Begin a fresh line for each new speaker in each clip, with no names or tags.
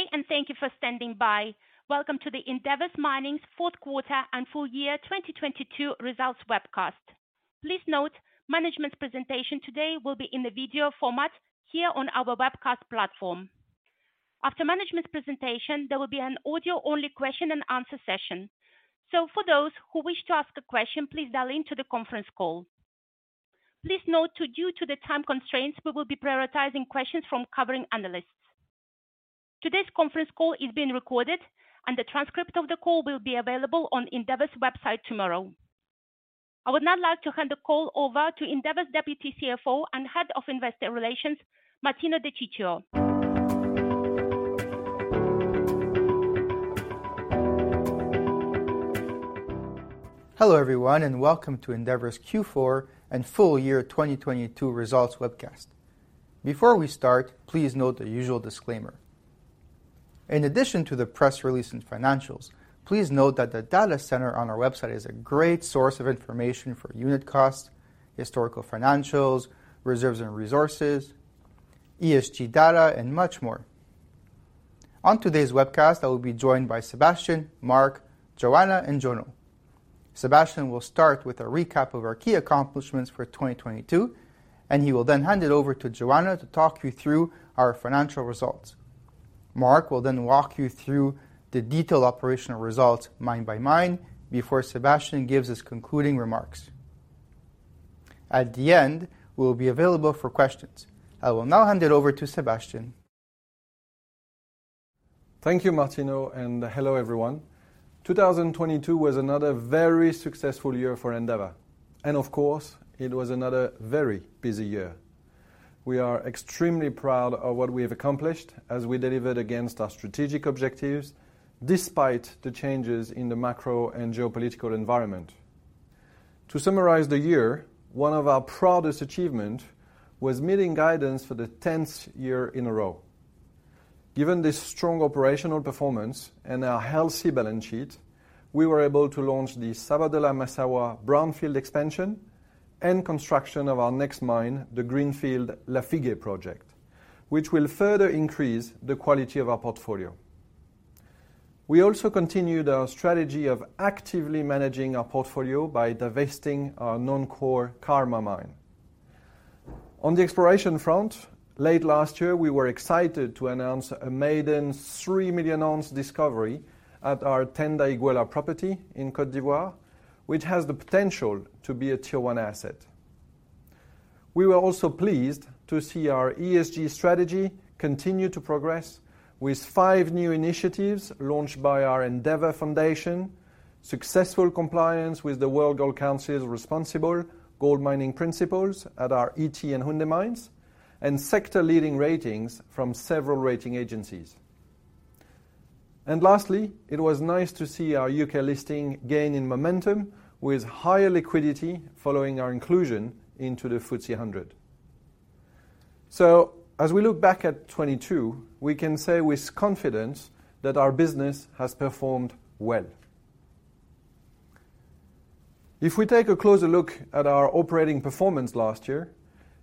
Good day, thank you for standing by. Welcome to Endeavour Mining's Fourth Quarter and Full Year 2022 Results Webcast. Please note management's presentation today will be in the video format here on our webcast platform. After management's presentation, there will be an audio only question-and-answer session. For those who wish to ask a question, please dial into the conference call. Please note too due to the time constraints, we will be prioritizing questions from covering analysts. Today's conference call is being recorded, and the transcript of the call will be available on Endeavour's website tomorrow. I would now like to hand the call over to Endeavour's Deputy CFO and Head of Investor Relations, Martino De Ciccio.
Hello, everyone, welcome to Endeavour's Q4 and full year 2022 results webcast. Before we start, please note the usual disclaimer. In addition to the press release and financials, please note that the data center on our website is a great source of information for unit costs, historical financials, reserves and resources, ESG data, and much more. On today's webcast, I will be joined by Sébastien, Mark, Joanna, and Jono. Sébastien will start with a recap of our key accomplishments for 2022, and he will then hand it over to Joanna to talk you through our financial results. Mark will then walk you through the detailed operational results mine by mine before Sébastien gives his concluding remarks. At the end, we'll be available for questions. I will now hand it over to Sébastien.
Thank you, Martino, and hello, everyone. 2022 was another very successful year for Endeavour, and of course, it was another very busy year. We are extremely proud of what we have accomplished as we delivered against our strategic objectives despite the changes in the macro and geopolitical environment. To summarize the year, one of our proudest achievement was meeting guidance for the 10th year in a row. Given this strong operational performance and our healthy balance sheet, we were able to launch the Sabodala-Massawa brownfield expansion and construction of our next mine, the Greenfield Lafigué project, which will further increase the quality of our portfolio. We also continued our strategy of actively managing our portfolio by divesting our non-core Karma Mine. On the exploration front, late last year, we were excited to announce a maiden three million ounce discovery at our Tanda-Iguela property in Côte d'Ivoire, which has the potential to be a tier-one asset. We were also pleased to see our ESG strategy continue to progress with five new initiatives launched by our Endeavour Foundation, successful compliance with the World Gold Council's Responsible Gold Mining Principles at our Ity and Houndé mines, and sector-leading ratings from several rating agencies. Lastly, it was nice to see our U.K. listing gain in momentum with higher liquidity following our inclusion into the FTSE 100. As we look back at 2022, we can say with confidence that our business has performed well. If we take a closer look at our operating performance last year,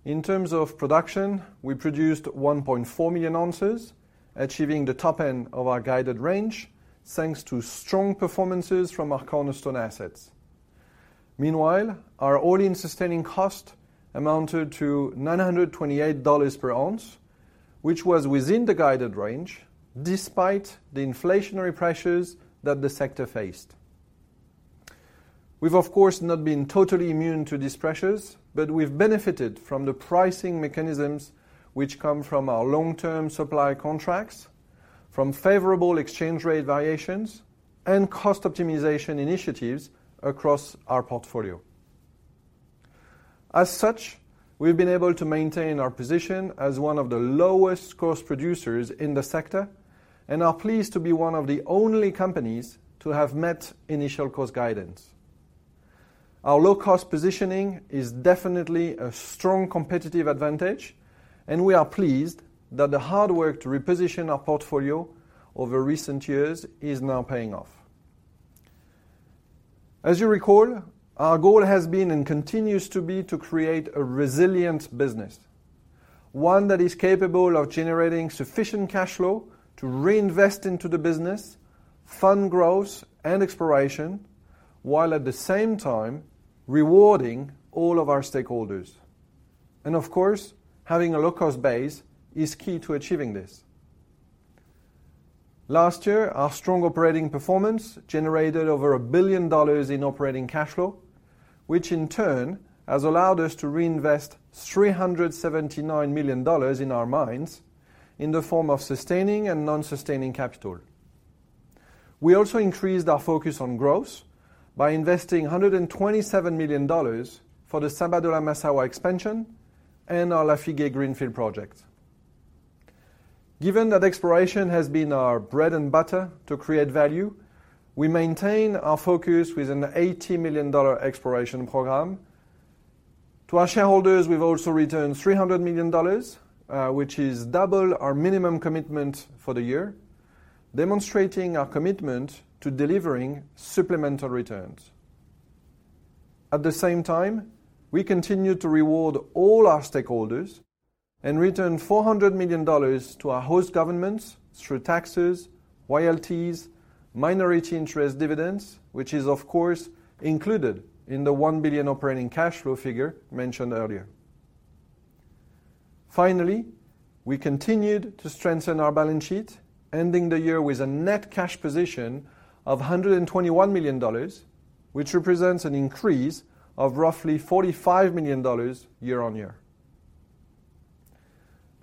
in terms of production, we produced 1.4 million ounces, achieving the top end of our guided range, thanks to strong performances from our cornerstone assets. Meanwhile, our all-in sustaining cost amounted to $928 per ounce, which was within the guided range despite the inflationary pressures that the sector faced. We've, of course, not been totally immune to these pressures, but we've benefited from the pricing mechanisms which come from our long-term supply contracts, from favorable exchange rate variations and cost optimization initiatives across our portfolio. As such, we've been able to maintain our position as one of the lowest cost producers in the sector and are pleased to be one of the only companies to have met initial cost guidance. Our low-cost positioning is definitely a strong competitive advantage, and we are pleased that the hard work to reposition our portfolio over recent years is now paying off. As you recall, our goal has been and continues to be to create a resilient business, one that is capable of generating sufficient cash flow to reinvest into the business, fund growth and exploration, while at the same time rewarding all of our stakeholders. Of course, having a low-cost base is key to achieving this. Last year, our strong operating performance generated over $1 billion in operating cash flow, which in turn has allowed us to reinvest $379 million in our mines in the form of sustaining and non-sustaining capital. We also increased our focus on growth by investing $127 million for the Sabodala-Massawa expansion and our Lafigué greenfield project. Given that exploration has been our bread and butter to create value, we maintain our focus with an $80 million exploration program. To our shareholders, we've also returned $300 million, which is double our minimum commitment for the year, demonstrating our commitment to delivering supplemental returns. At the same time, we continue to reward all our stakeholders and return $400 million to our host governments through taxes, royalties, minority interest dividends, which is of course included in the $1 billion operating cash flow figure mentioned earlier. Finally, we continued to strengthen our balance sheet, ending the year with a net cash position of $121 million, which represents an increase of roughly $45 million year on year.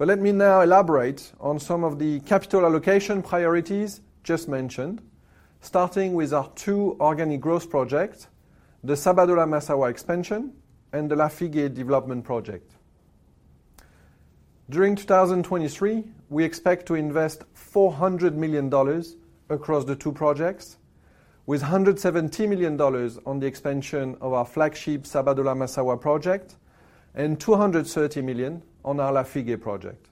Let me now elaborate on some of the capital allocation priorities just mentioned, starting with our two organic growth projects, the Sabodala-Massawa expansion and the Lafigué development project. During 2023, we expect to invest $400 million across the two projects with $170 million on the expansion of our flagship Sabodala-Massawa project and $230 million on our Lafigué project.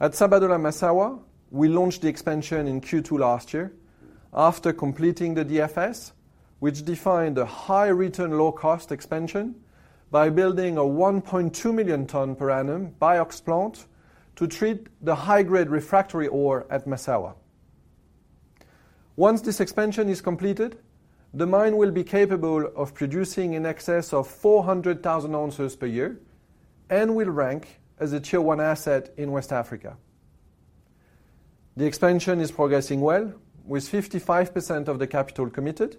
At Sabodala-Massawa, we launched the expansion in Q2 last year after completing the DFS, which defined a high return, low cost expansion by building a 1.2 million ton per annum BIOX plant to treat the high-grade refractory ore at Massawa. Once this expansion is completed, the mine will be capable of producing in excess of 400,000oz per year and will rank as a tier one asset in West Africa. The expansion is progressing well with 55% of the capital committed.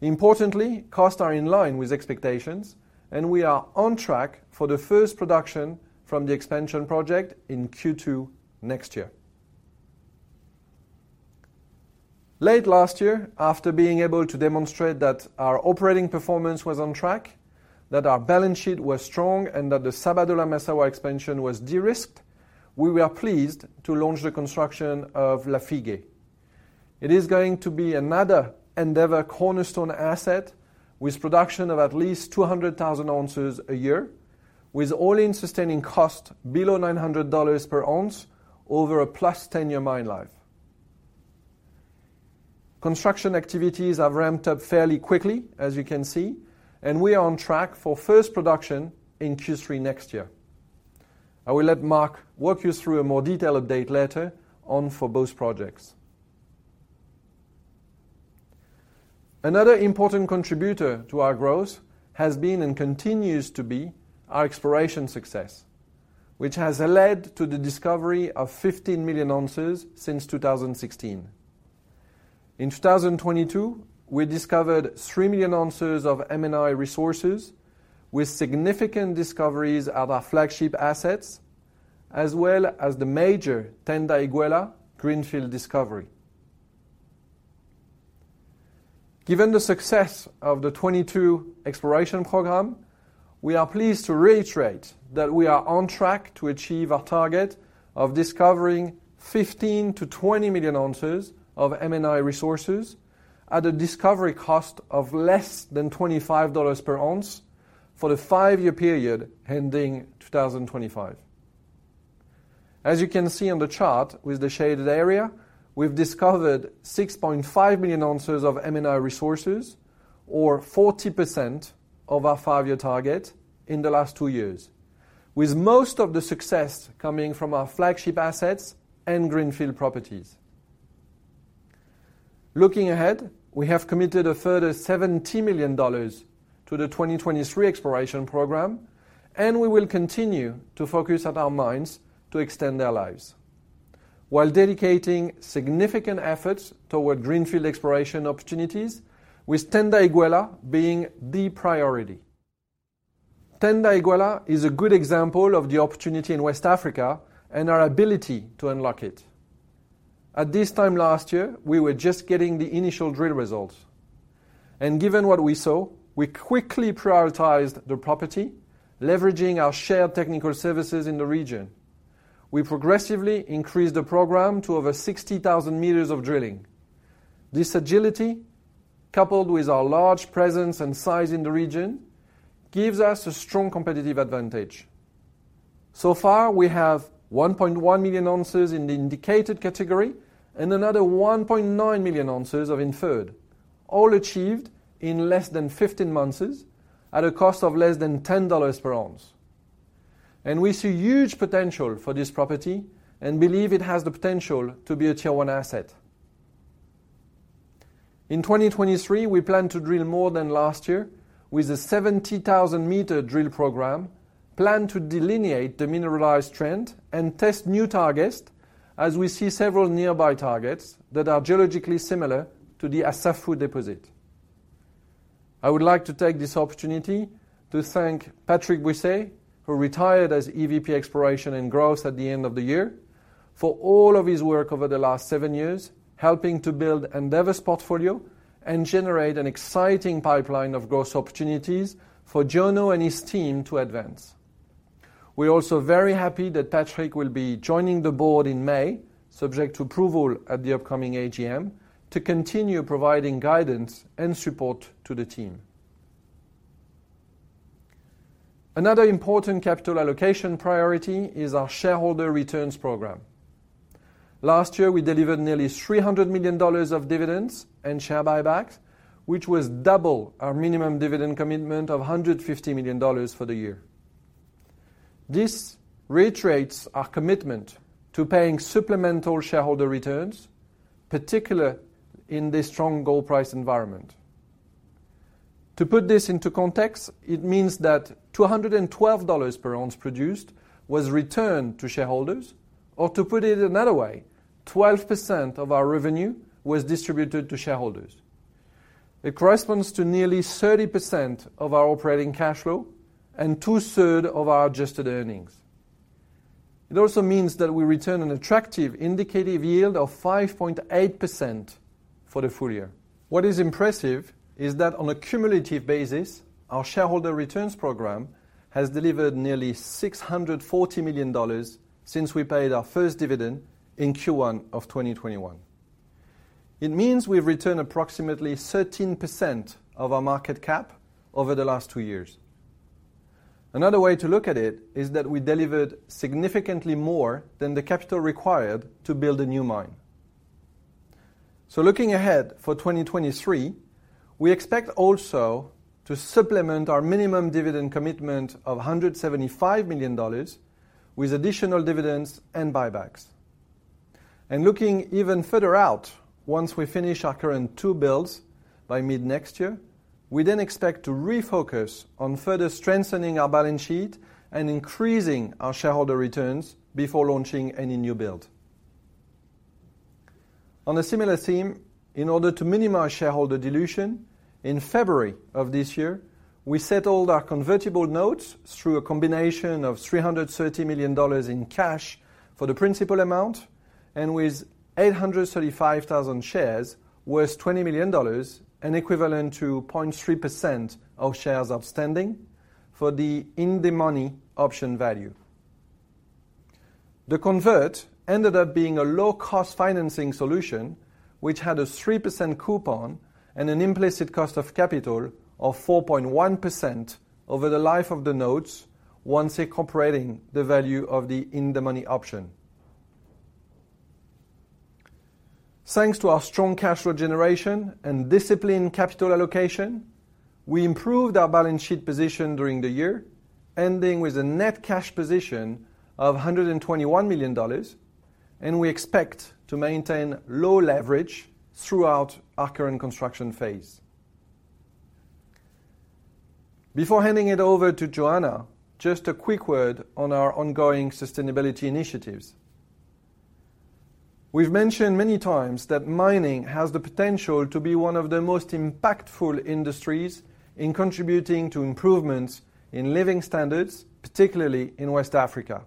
Importantly, costs are in line with expectations, and we are on track for the first production from the expansion project in Q2 next year. Late last year, after being able to demonstrate that our operating performance was on track, that our balance sheet was strong, and that the Sabodala-Massawa expansion was de-risked, we were pleased to launch the construction of Lafigué. It is going to be another Endeavour cornerstone asset with production of at least 200,000oz a year with all-in sustaining cost below $900 per ounce over a +10-year mine life. Construction activities have ramped up fairly quickly, as you can see, and we are on track for first production in Q3 next year. I will let Mark walk you through a more detailed update later on for both projects. Another important contributor to our growth has been and continues to be our exploration success, which has led to the discovery of 15 million oz since 2016. In 2022, we discovered 3 million oz of M&I resources with significant discoveries at our flagship assets, as well as the major Tanda-Iguela greenfield discovery. Given the success of the 2022 exploration program, we are pleased to reiterate that we are on track to achieve our target of discovering 15-20 million oz of M&I resources at a discovery cost of less than $25 per ounce for the five years period ending 2025. As you can see on the chart with the shaded area, we've discovered 6.5 million oz of M&I resources or 40% of our five years target in the last two years, with most of the success coming from our flagship assets and greenfield properties. Looking ahead, we have committed a further $70 million to the 2023 exploration program. We will continue to focus at our mines to extend their lives while dedicating significant efforts toward greenfield exploration opportunities with Tanda-Iguela being the priority. Tanda-Iguela is a good example of the opportunity in West Africa and our ability to unlock it. At this time last year, we were just getting the initial drill results. Given what we saw, we quickly prioritized the property, leveraging our shared technical services in the region. We progressively increased the program to over 60,000 meters of drilling. This agility, coupled with our large presence and size in the region, gives us a strong competitive advantage. So far, we have 1.1 million ounces in the indicated category and another 1.9 million ounces of inferred, all achieved in less than 15 months at a cost of less than $10 per ounce. We see huge potential for this property and believe it has the potential to be a tier one asset. In 2023, we plan to drill more than last year with a 70,000 meter drill program planned to delineate the mineralized trend and test new targets as we see several nearby targets that are geologically similar to the Assafou deposit. I would like to take this opportunity to thank Patrick Bouisset, who retired as EVP, Exploration and Growth at the end of the year, for all of his work over the last 7 years, helping to build Endeavour Mining's portfolio and generate an exciting pipeline of growth opportunities for Jono and his team to advance. We are also very happy that Patrick will be joining the board in May, subject to approval at the upcoming AGM, to continue providing guidance and support to the team. Another important capital allocation priority is our shareholder returns program. Last year, we delivered nearly $300 million of dividends and share buybacks, which was double our minimum dividend commitment of $150 million for the year. This reiterates our commitment to paying supplemental shareholder returns, particular in this strong gold price environment. To put this into context, it means that $212 per ounce produced was returned to shareholders, or to put it another way, 12% of our revenue was distributed to shareholders. It corresponds to nearly 30% of our operating cash flow and two-third of our adjusted earnings. It also means that we return an attractive indicative yield of 5.8% for the full year. What is impressive is that on a cumulative basis, our shareholder returns program has delivered nearly $640 million since we paid our first dividend in Q1 of 2021. It means we've returned approximately 13% of our market cap over the last two years. Another way to look at it is that we delivered significantly more than the capital required to build a new mine. Looking ahead for 2023, we expect also to supplement our minimum dividend commitment of $175 million with additional dividends and buybacks. Looking even further out, once we finish our current two builds by mid-next year, we then expect to refocus on further strengthening our balance sheet and increasing our shareholder returns before launching any new build. On a similar theme, in order to minimize shareholder dilution, in February of this year, we settled our convertible notes through a combination of $330 million in cash for the principal amount, and with 835,000 shares worth $20 million and equivalent to 0.3% of shares outstanding for the in-the-money option value. The convert ended up being a low-cost financing solution, which had a 3% coupon and an implicit cost of capital of 4.1% over the life of the notes once incorporating the value of the in-the-money option. Thanks to our strong cash flow generation and disciplined capital allocation, we improved our balance sheet position during the year, ending with a net cash position of $121 million. We expect to maintain low leverage throughout our current construction phase. Before handing it over to Joanna, just a quick word on our ongoing sustainability initiatives. We've mentioned many times that mining has the potential to be one of the most impactful industries in contributing to improvements in living standards, particularly in West Africa.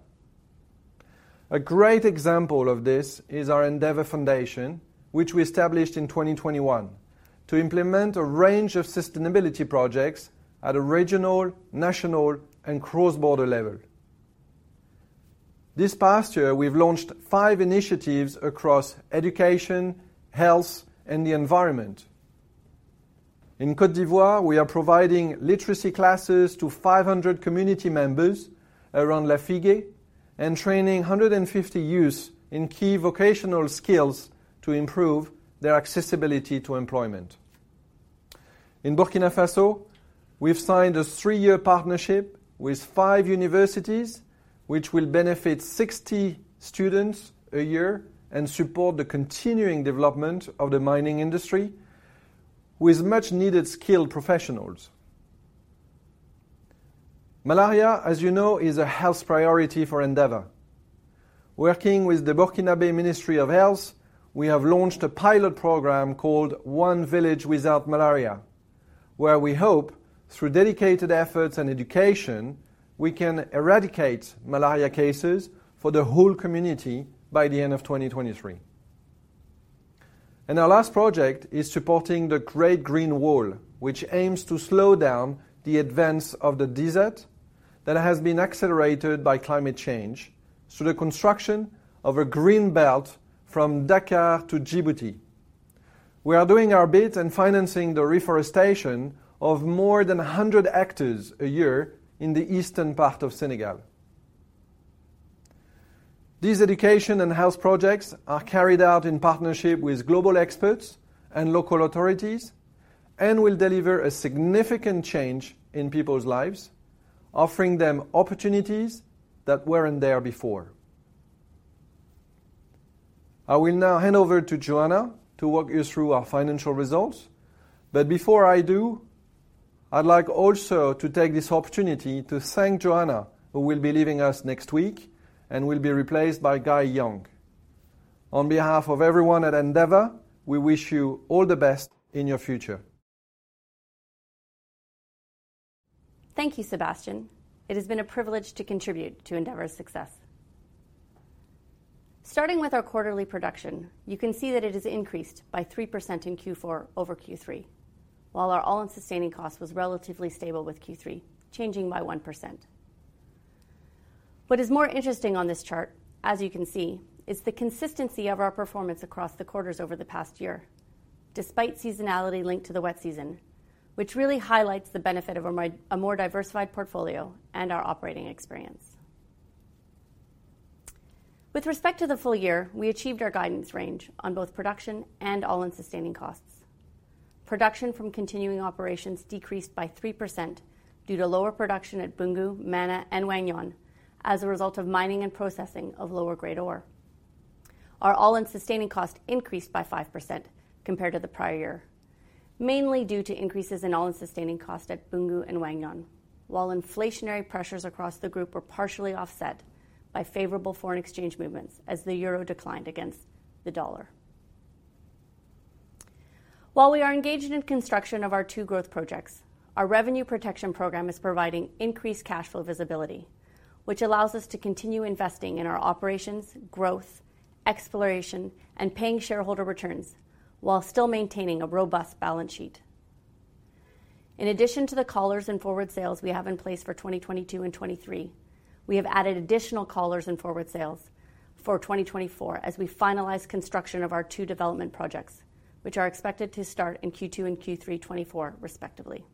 A great example of this is our Endeavour Foundation, which we established in 2021 to implement a range of sustainability projects at a regional, national and cross-border level. This past year, we've launched five initiatives across education, health, and the environment. In Côte d'Ivoire, we are providing literacy classes to 500 community members around Lafigué and training 150 youths in key vocational skills to improve their accessibility to employment. In Burkina Faso, we've signed a three year partnership with five universities which will benefit 60 students a year and support the continuing development of the mining industry with much-needed skilled professionals. Malaria, as you know, is a health priority for Endeavour. Working with the Burkinabe Ministry of Health, we have launched a pilot program called One Village Without Malaria, where we hope through dedicated efforts and education, we can eradicate malaria cases for the whole community by the end of 2023. Our last project is supporting the Great Green Wall, which aims to slow down the advance of the desert that has been accelerated by climate change through the construction of a green belt from Dakar to Djibouti. We are doing our bit in financing the reforestation of more than 100 hectares a year in the eastern part of Senegal. These education and health projects are carried out in partnership with global experts and local authorities and will deliver a significant change in people's lives, offering them opportunities that weren't there before. I will now hand over to Joanna to walk you through our financial results. Before I do, I'd like also to take this opportunity to thank Joanna, who will be leaving us next week and will be replaced by Guy Young. On behalf of everyone at Endeavour, we wish you all the best in your future.
Thank you, Sebastian. It has been a privilege to contribute to Endeavour's success. Starting with our quarterly production, you can see that it has increased by 3% in Q4 over Q3, while our all-in sustaining cost was relatively stable with Q3, changing by 1%. What is more interesting on this chart, as you can see, is the consistency of our performance across the quarters over the past year, despite seasonality linked to the wet season, which really highlights the benefit of a more diversified portfolio and our operating experience. With respect to the full year, we achieved our guidance range on both production and all-in sustaining costs. Production from continuing operations decreased by 3% due to lower production at Boungou, Mana, and Wahgnion as a result of mining and processing of lower-grade ore. Our all-in sustaining cost increased by 5% compared to the prior year, mainly due to increases in all-in sustaining cost at Boungou and Wahgnion. Inflationary pressures across the group were partially offset by favorable foreign exchange movements as the euro declined against the US dollar. We are engaged in construction of our two growth projects, our revenue protection program is providing increased cash flow visibility, which allows us to continue investing in our operations, growth, exploration, and paying shareholder returns while still maintaining a robust balance sheet. In addition to the collars and forward sales we have in place for 2022 and 2023, we have added additional collars and forward sales for 2024 as we finalize construction of our two development projects, which are expected to start in Q2 and Q3 2024 respectively.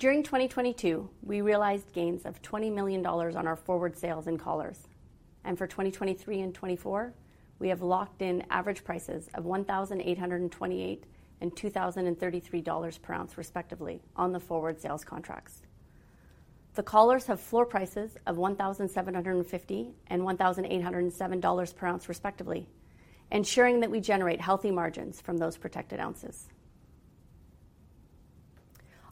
During 2022, we realized gains of $20 million on our forward sales and collars. For 2023 and 2024, we have locked in average prices of 1,828 and $2,033 per ounce respectively on the forward sales contracts. The collars have floor prices of 1,750 and $1,807 per ounce respectively, ensuring that we generate healthy margins from those protected Oz.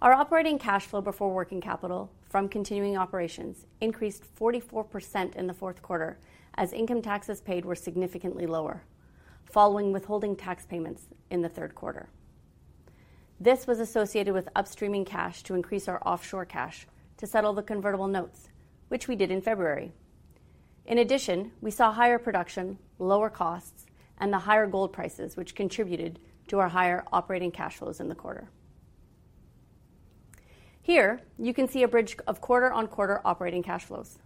Our operating cash flow before working capital from continuing operations increased 44% in the fourth quarter as income taxes paid were significantly lower following withholding tax payments in the third quarter. This was associated with upstreaming cash to increase our offshore cash to settle the convertible notes, which we did in February. In addition, we saw higher production, lower costs, and the higher gold prices, which contributed to our higher operating cash flows in the quarter. Here you can see a bridge of quarter-on-quarter operating cash flows.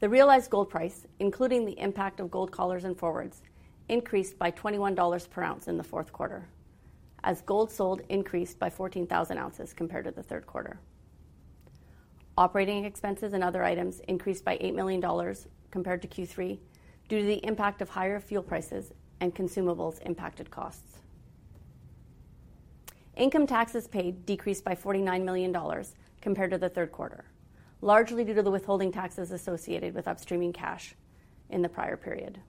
The realized gold price, including the impact of gold collars and forwards, increased by $21 per ounce in the fourth quarter as gold sold increased by 14,000oz compared to the third quarter. Operating expenses and other items increased by $8 million compared to Q3 due to the impact of higher fuel prices and consumables impacted costs. Income taxes paid decreased by $49 million compared to the third quarter, largely due to the withholding taxes associated with upstreaming cash in the prior period.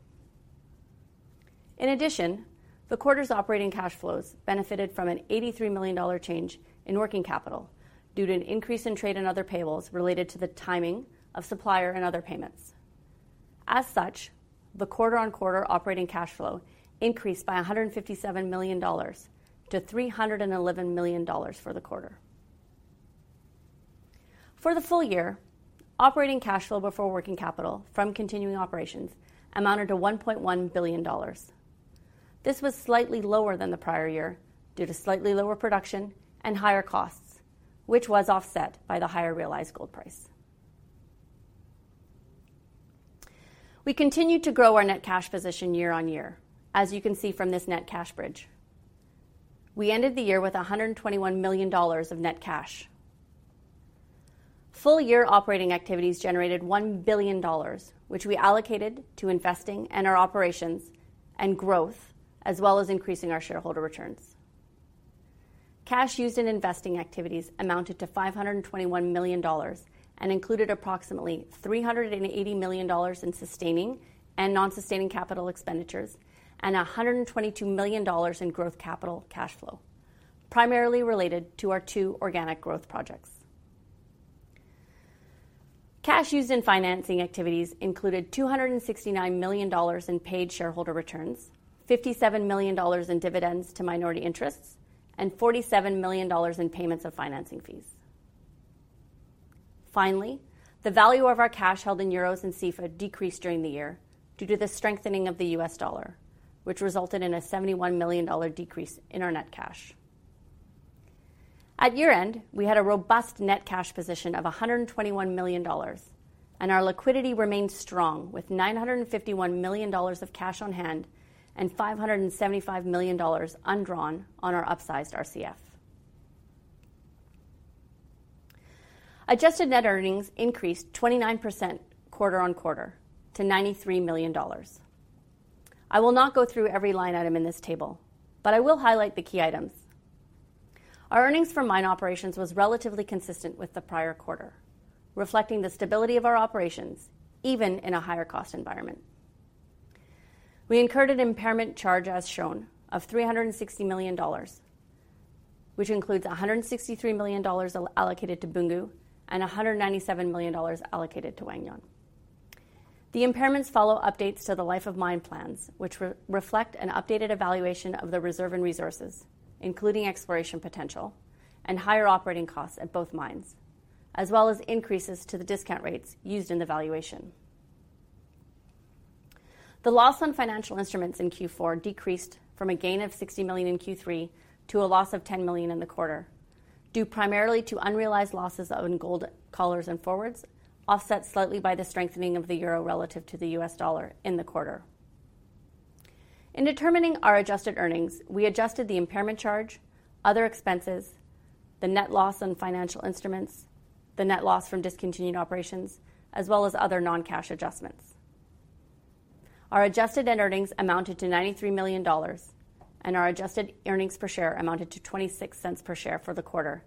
In addition, the quarter's operating cash flows benefited from an $83 million change in working capital due to an increase in trade and other payables related to the timing of supplier and other payments. As such, the quarter-on-quarter operating cash flow increased by $157 million to $311 million for the quarter. For the full year, operating cash flow before working capital from continuing operations amounted to $1.1 billion. This was slightly lower than the prior year due to slightly lower production and higher costs, which was offset by the higher realized gold price. We continued to grow our net cash position year-on-year, as you can see from this net cash bridge. We ended the year with $121 million of net cash. Full year operating activities generated $1 billion, which we allocated to investing in our operations and growth, as well as increasing our shareholder returns. Cash used in investing activities amounted to $521 million and included approximately $380 million in sustaining and non-sustaining capital expenditures and $122 million in growth capital cash flow, primarily related to our two organic growth projects. Cash used in financing activities included $269 million in paid shareholder returns, $57 million in dividends to minority interests, and $47 million in payments of financing fees. Finally, the value of our cash held in euros and CFA decreased during the year due to the strengthening of the US dollar, which resulted in a $71 million decrease in our net cash. At year-end, we had a robust net cash position of $121 million, our liquidity remains strong with $951 million of cash on hand and $575 million undrawn on our upsized RCF. Adjusted net earnings increased 29% quarter-on-quarter to $93 million. I will not go through every line item in this table, I will highlight the key items. Our earnings from mine operations was relatively consistent with the prior quarter, reflecting the stability of our operations even in a higher cost environment. We incurred an impairment charge as shown of $360 million, which includes $163 million allocated to Boungou and $197 million allocated to Wahgnion. The impairments follow updates to the life of mine plans, which re-reflect an updated evaluation of the reserve and resources, including exploration potential and higher operating costs at both mines, as well as increases to the discount rates used in the valuation. The loss on financial instruments in Q4 decreased from a gain of $60 million in Q3 to a loss of $10 million in the quarter, due primarily to unrealized losses on gold collars and forwards, offset slightly by the strengthening of the euro relative to the US dollar in the quarter. In determining our adjusted earnings, we adjusted the impairment charge, other expenses, the net loss on financial instruments, the net loss from discontinued operations, as well as other non-cash adjustments. Our adjusted net earnings amounted to $93 million. Our adjusted earnings per share amounted to $0.26 per share for the quarter,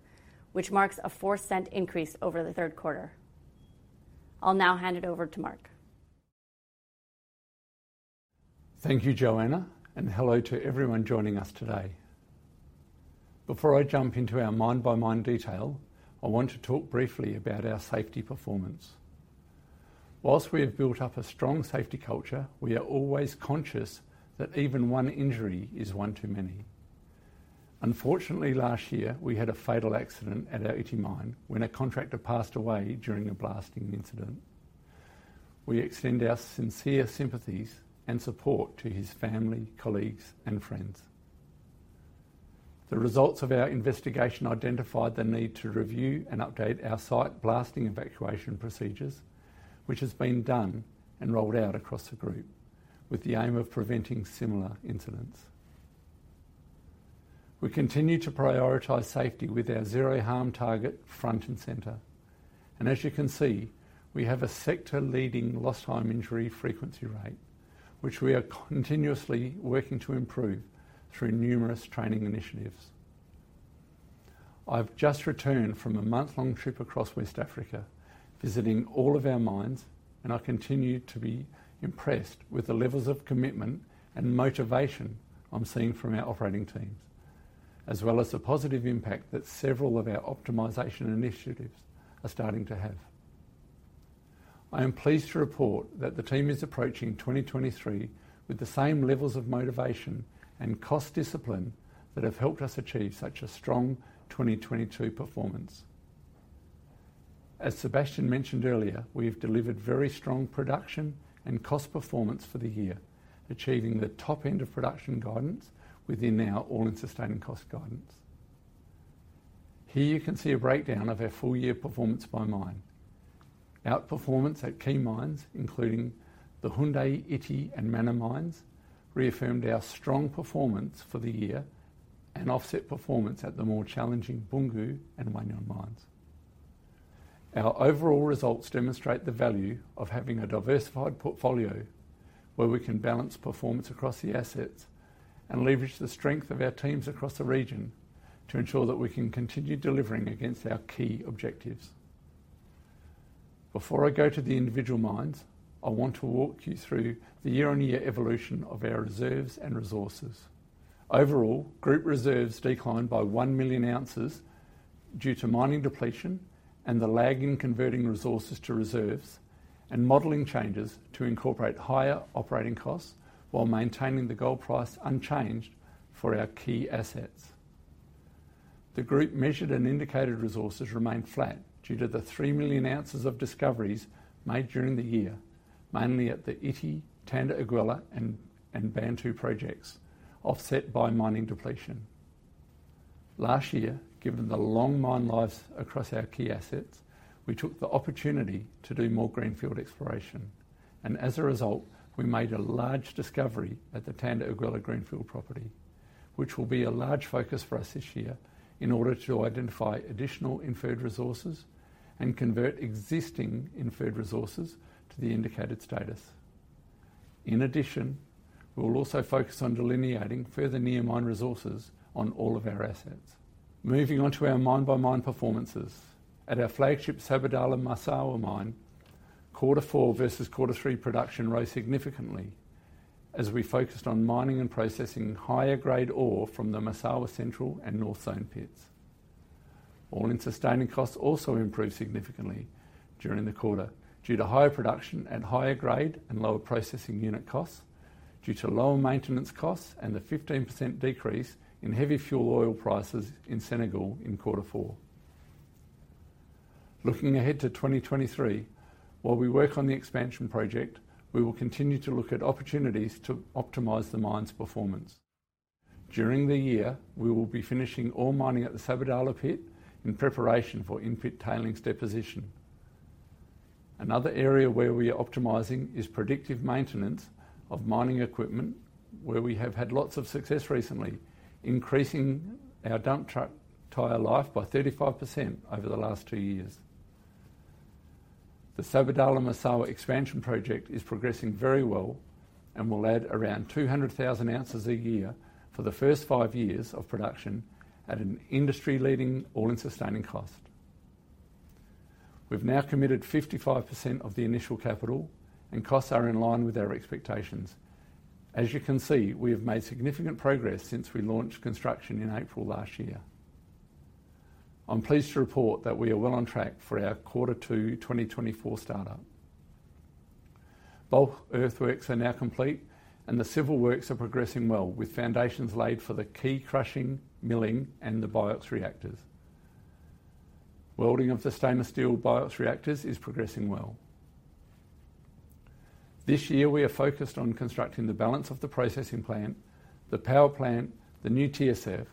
which marks a $0.04 increase over the third quarter. I'll now hand it over to Mark.
Thank you, Joanna, and hello to everyone joining us today. Before I jump into our mine-by-mine detail, I want to talk briefly about our safety performance. While we have built up a strong safety culture, we are always conscious that even one injury is one too many. Unfortunately, last year, we had a fatal accident at our Ity mine when a contractor passed away during a blasting incident. We extend our sincere sympathies and support to his family, colleagues, and friends. The results of our investigation identified the need to review and update our site blasting evacuation procedures, which has been done and rolled out across the group with the aim of preventing similar incidents. We continue to prioritize safety with our zero harm target front and center. As you can see, we have a sector-leading lost time injury frequency rate, which we are continuously working to improve through numerous training initiatives. I've just returned from a month-long trip across West Africa, visiting all of our mines. I continue to be impressed with the levels of commitment and motivation I'm seeing from our operating teams, as well as the positive impact that several of our optimization initiatives are starting to have. I am pleased to report that the team is approaching 2023 with the same levels of motivation and cost discipline that have helped us achieve such a strong 2022 performance. As Sebastian mentioned earlier, we have delivered very strong production and cost performance for the year, achieving the top end of production guidance within our all-in sustaining cost guidance. Here you can see a breakdown of our full year performance by mine. Outperformance at key mines, including the Houndé, Ity, and Mana mines, reaffirmed our strong performance for the year and offset performance at the more challenging Boungou and Mana mines. Our overall results demonstrate the value of having a diversified portfolio where we can balance performance across the assets and leverage the strength of our teams across the region to ensure that we can continue delivering against our key objectives. Before I go to the individual mines, I want to walk you through the year-on-year evolution of our reserves and resources. Overall, group reserves declined by 1 million oz due to mining depletion and the lag in converting resources to reserves and modeling changes to incorporate higher operating costs while maintaining the gold price unchanged for our key assets. The group measured and indicated resources remained flat due to the 3 million oz of discoveries made during the year, mainly at the Ity, Tanda-Iguela, and Bantou projects, offset by mining depletion. Last year, given the long mine lives across our key assets, we took the opportunity to do more greenfield exploration. As a result, we made a large discovery at the Tanda-Iguela greenfield property, which will be a large focus for us this year in order to identify additional inferred resources and convert existing inferred resources to the indicated status. In addition, we'll also focus on delineating further near mine resources on all of our assets. Moving on to our mine-by-mine performances. At our flagship Sabodala-Massawa mine, Q4 versus Q3 production rose significantly as we focused on mining and processing higher grade ore from the Massawa Central and North Zone pits. All-in sustaining costs also improved significantly during the quarter due to higher production at higher grade and lower processing unit costs due to lower maintenance costs and the 15% decrease in heavy fuel oil prices in Senegal in quarter four. Looking ahead to 2023, while we work on the expansion project, we will continue to look at opportunities to optimize the mine's performance. During the year, we will be finishing all mining at the Sabodala pit in preparation for in-pit tailings deposition. Another area where we are optimizing is predictive maintenance of mining equipment, where we have had lots of success recently, increasing our dump truck tire life by 35% over the last two years. The Sabodala-Massawa expansion project is progressing very well and will add around 200,000oz a year for the first five years of production at an industry-leading all-in sustaining cost. We've now committed 55% of the initial capital and costs are in line with our expectations. As you can see, we have made significant progress since we launched construction in April last year. I'm pleased to report that we are well on track for our Q2 2024 start-up. Both earthworks are now complete and the civil works are progressing well with foundations laid for the key crushing, milling, and the BIOX reactors. Welding of the stainless steel BIOX reactors is progressing well. This year, we are focused on constructing the balance of the processing plant, the power plant, the new TSF,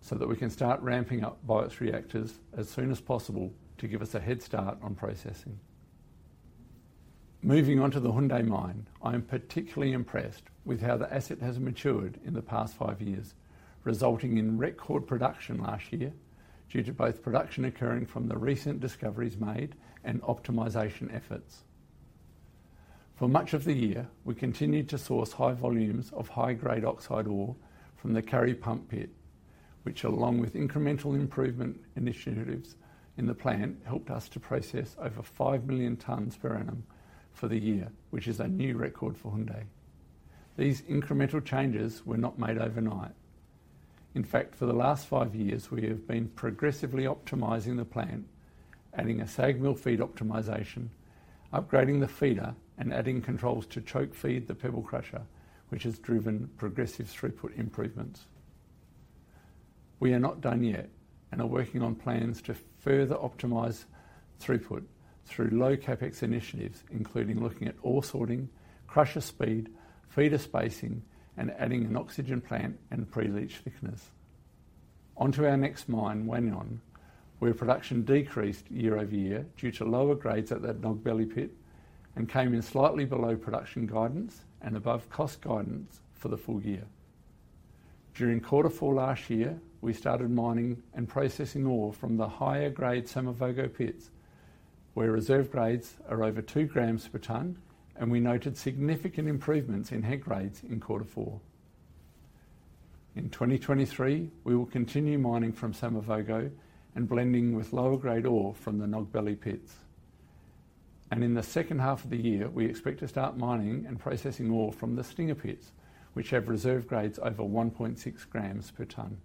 so that we can start ramping up BIOX reactors as soon as possible to give us a head start on processing. Moving on to the Houndé Mine, I am particularly impressed with how the asset has matured in the past five years, resulting in record production last year due to both production occurring from the recent discoveries made and optimization efforts. For much of the year, we continued to source high volumes of high-grade oxide ore from the Kari Pump pit, which along with incremental improvement initiatives in the plant, helped us to process over 5 million tonnes per annum for the year, which is a new record for Houndé. These incremental changes were not made overnight. In fact, for the last five years, we have been progressively optimizing the plant, adding a SAG mill feed optimization, upgrading the feeder, and adding controls to choke feed the pebble crusher, which has driven progressive throughput improvements. We are not done yet and are working on plans to further optimize throughput through low CapEx initiatives, including looking at ore sorting, crusher speed, feeder spacing, and adding an oxygen plant and pre-leach thickeners. On to our next mine, Wahgnion, where production decreased year-over-year due to lower grades at that Nogbele Pit and came in slightly below production guidance and above cost guidance for the full year. During quarter four last year, we started mining and processing ore from the higher grade Samavogo pits, where reserve grades are over two grams per tonne, and we noted significant improvements in head grades in quarter four. In 2023, we will continue mining from Samavogo and blending with lower grade ore from the Nogbele pits. In the second half of the year, we expect to start mining and processing ore from the Stinger pits, which have reserve grades over 1.6 grams per tonne.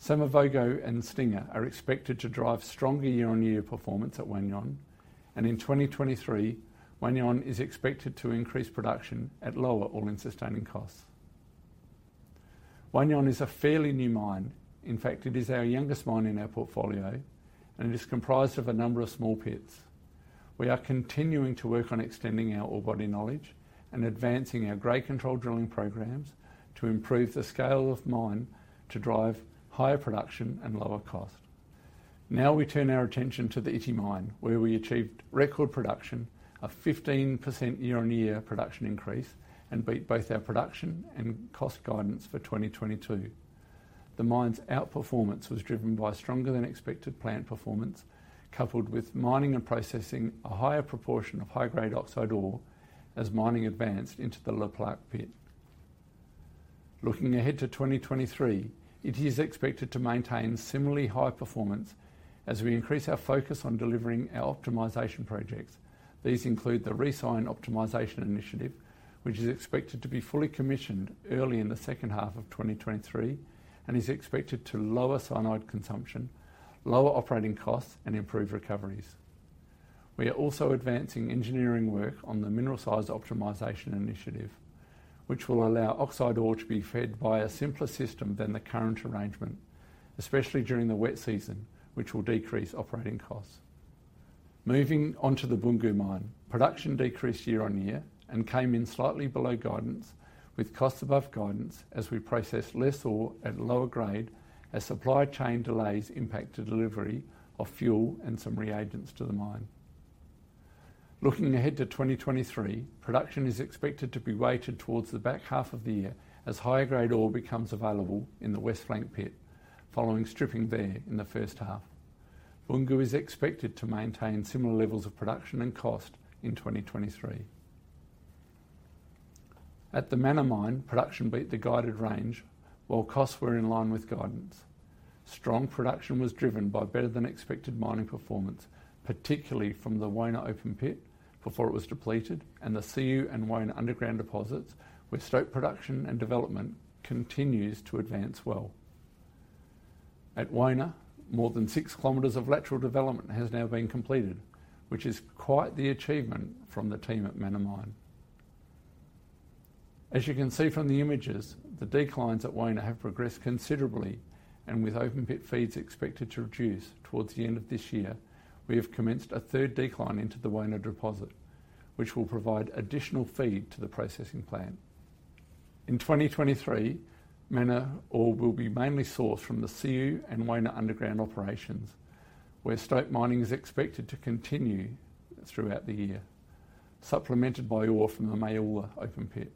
Samavogo and Stinger are expected to drive stronger year-on-year performance at Wahgnion. In 2023, Wahgnion is expected to increase production at lower all-in sustaining costs. Wahgnion is a fairly new mine. In fact, it is our youngest mine in our portfolio, and it is comprised of a number of small pits. We are continuing to work on extending our orebody knowledge and advancing our grade control drilling programs to improve the scale of mine to drive higher production and lower cost. Now we turn our attention to the Ity Mine, where we achieved record production of 15% year-on-year production increase and beat both our production and cost guidance for 2022. The mine's outperformance was driven by stronger than expected plant performance, coupled with mining and processing a higher proportion of high-grade oxide ore as mining advanced into the Le Plaque Pit. Looking ahead to 2023, Ity is expected to maintain similarly high performance as we increase our focus on delivering our optimization projects. These include the recyanidation optimization initiative, which is expected to be fully commissioned early in the second half of 2023 and is expected to lower cyanide consumption, lower operating costs, and improve recoveries. We are also advancing engineering work on the Mineral Sizer optimization initiative, which will allow oxide ore to be fed by a simpler system than the current arrangement, especially during the wet season, which will decrease operating costs. Moving on to the Boungou Mine, production decreased year-on-year and came in slightly below guidance with costs above guidance as we processed less ore at lower grade as supply chain delays impacted delivery of fuel and some reagents to the mine. Looking ahead to 2023, production is expected to be weighted towards the back half of the year as higher-grade ore becomes available in the West Flank pit following stripping there in the first half. Boungou is expected to maintain similar levels of production and cost in 2023. At the Mana Mine, production beat the guided range while costs were in line with guidance. Strong production was driven by better than expected mining performance, particularly from the Wona open pit before it was depleted and the Siou and Wona underground deposits, with stope production and development continues to advance well. At Wona, more than 6 km of lateral development has now been completed, which is quite the achievement from the team at Mana mine. As you can see from the images, the declines at Wona have progressed considerably. With open pit feeds expected to reduce towards the end of this year, we have commenced a third decline into the Wona deposit, which will provide additional feed to the processing plant. In 2023, Mana ore will be mainly sourced from the Siou and Wona underground operations, where stope mining is expected to continue throughout the year, supplemented by ore from the Maoula open pit.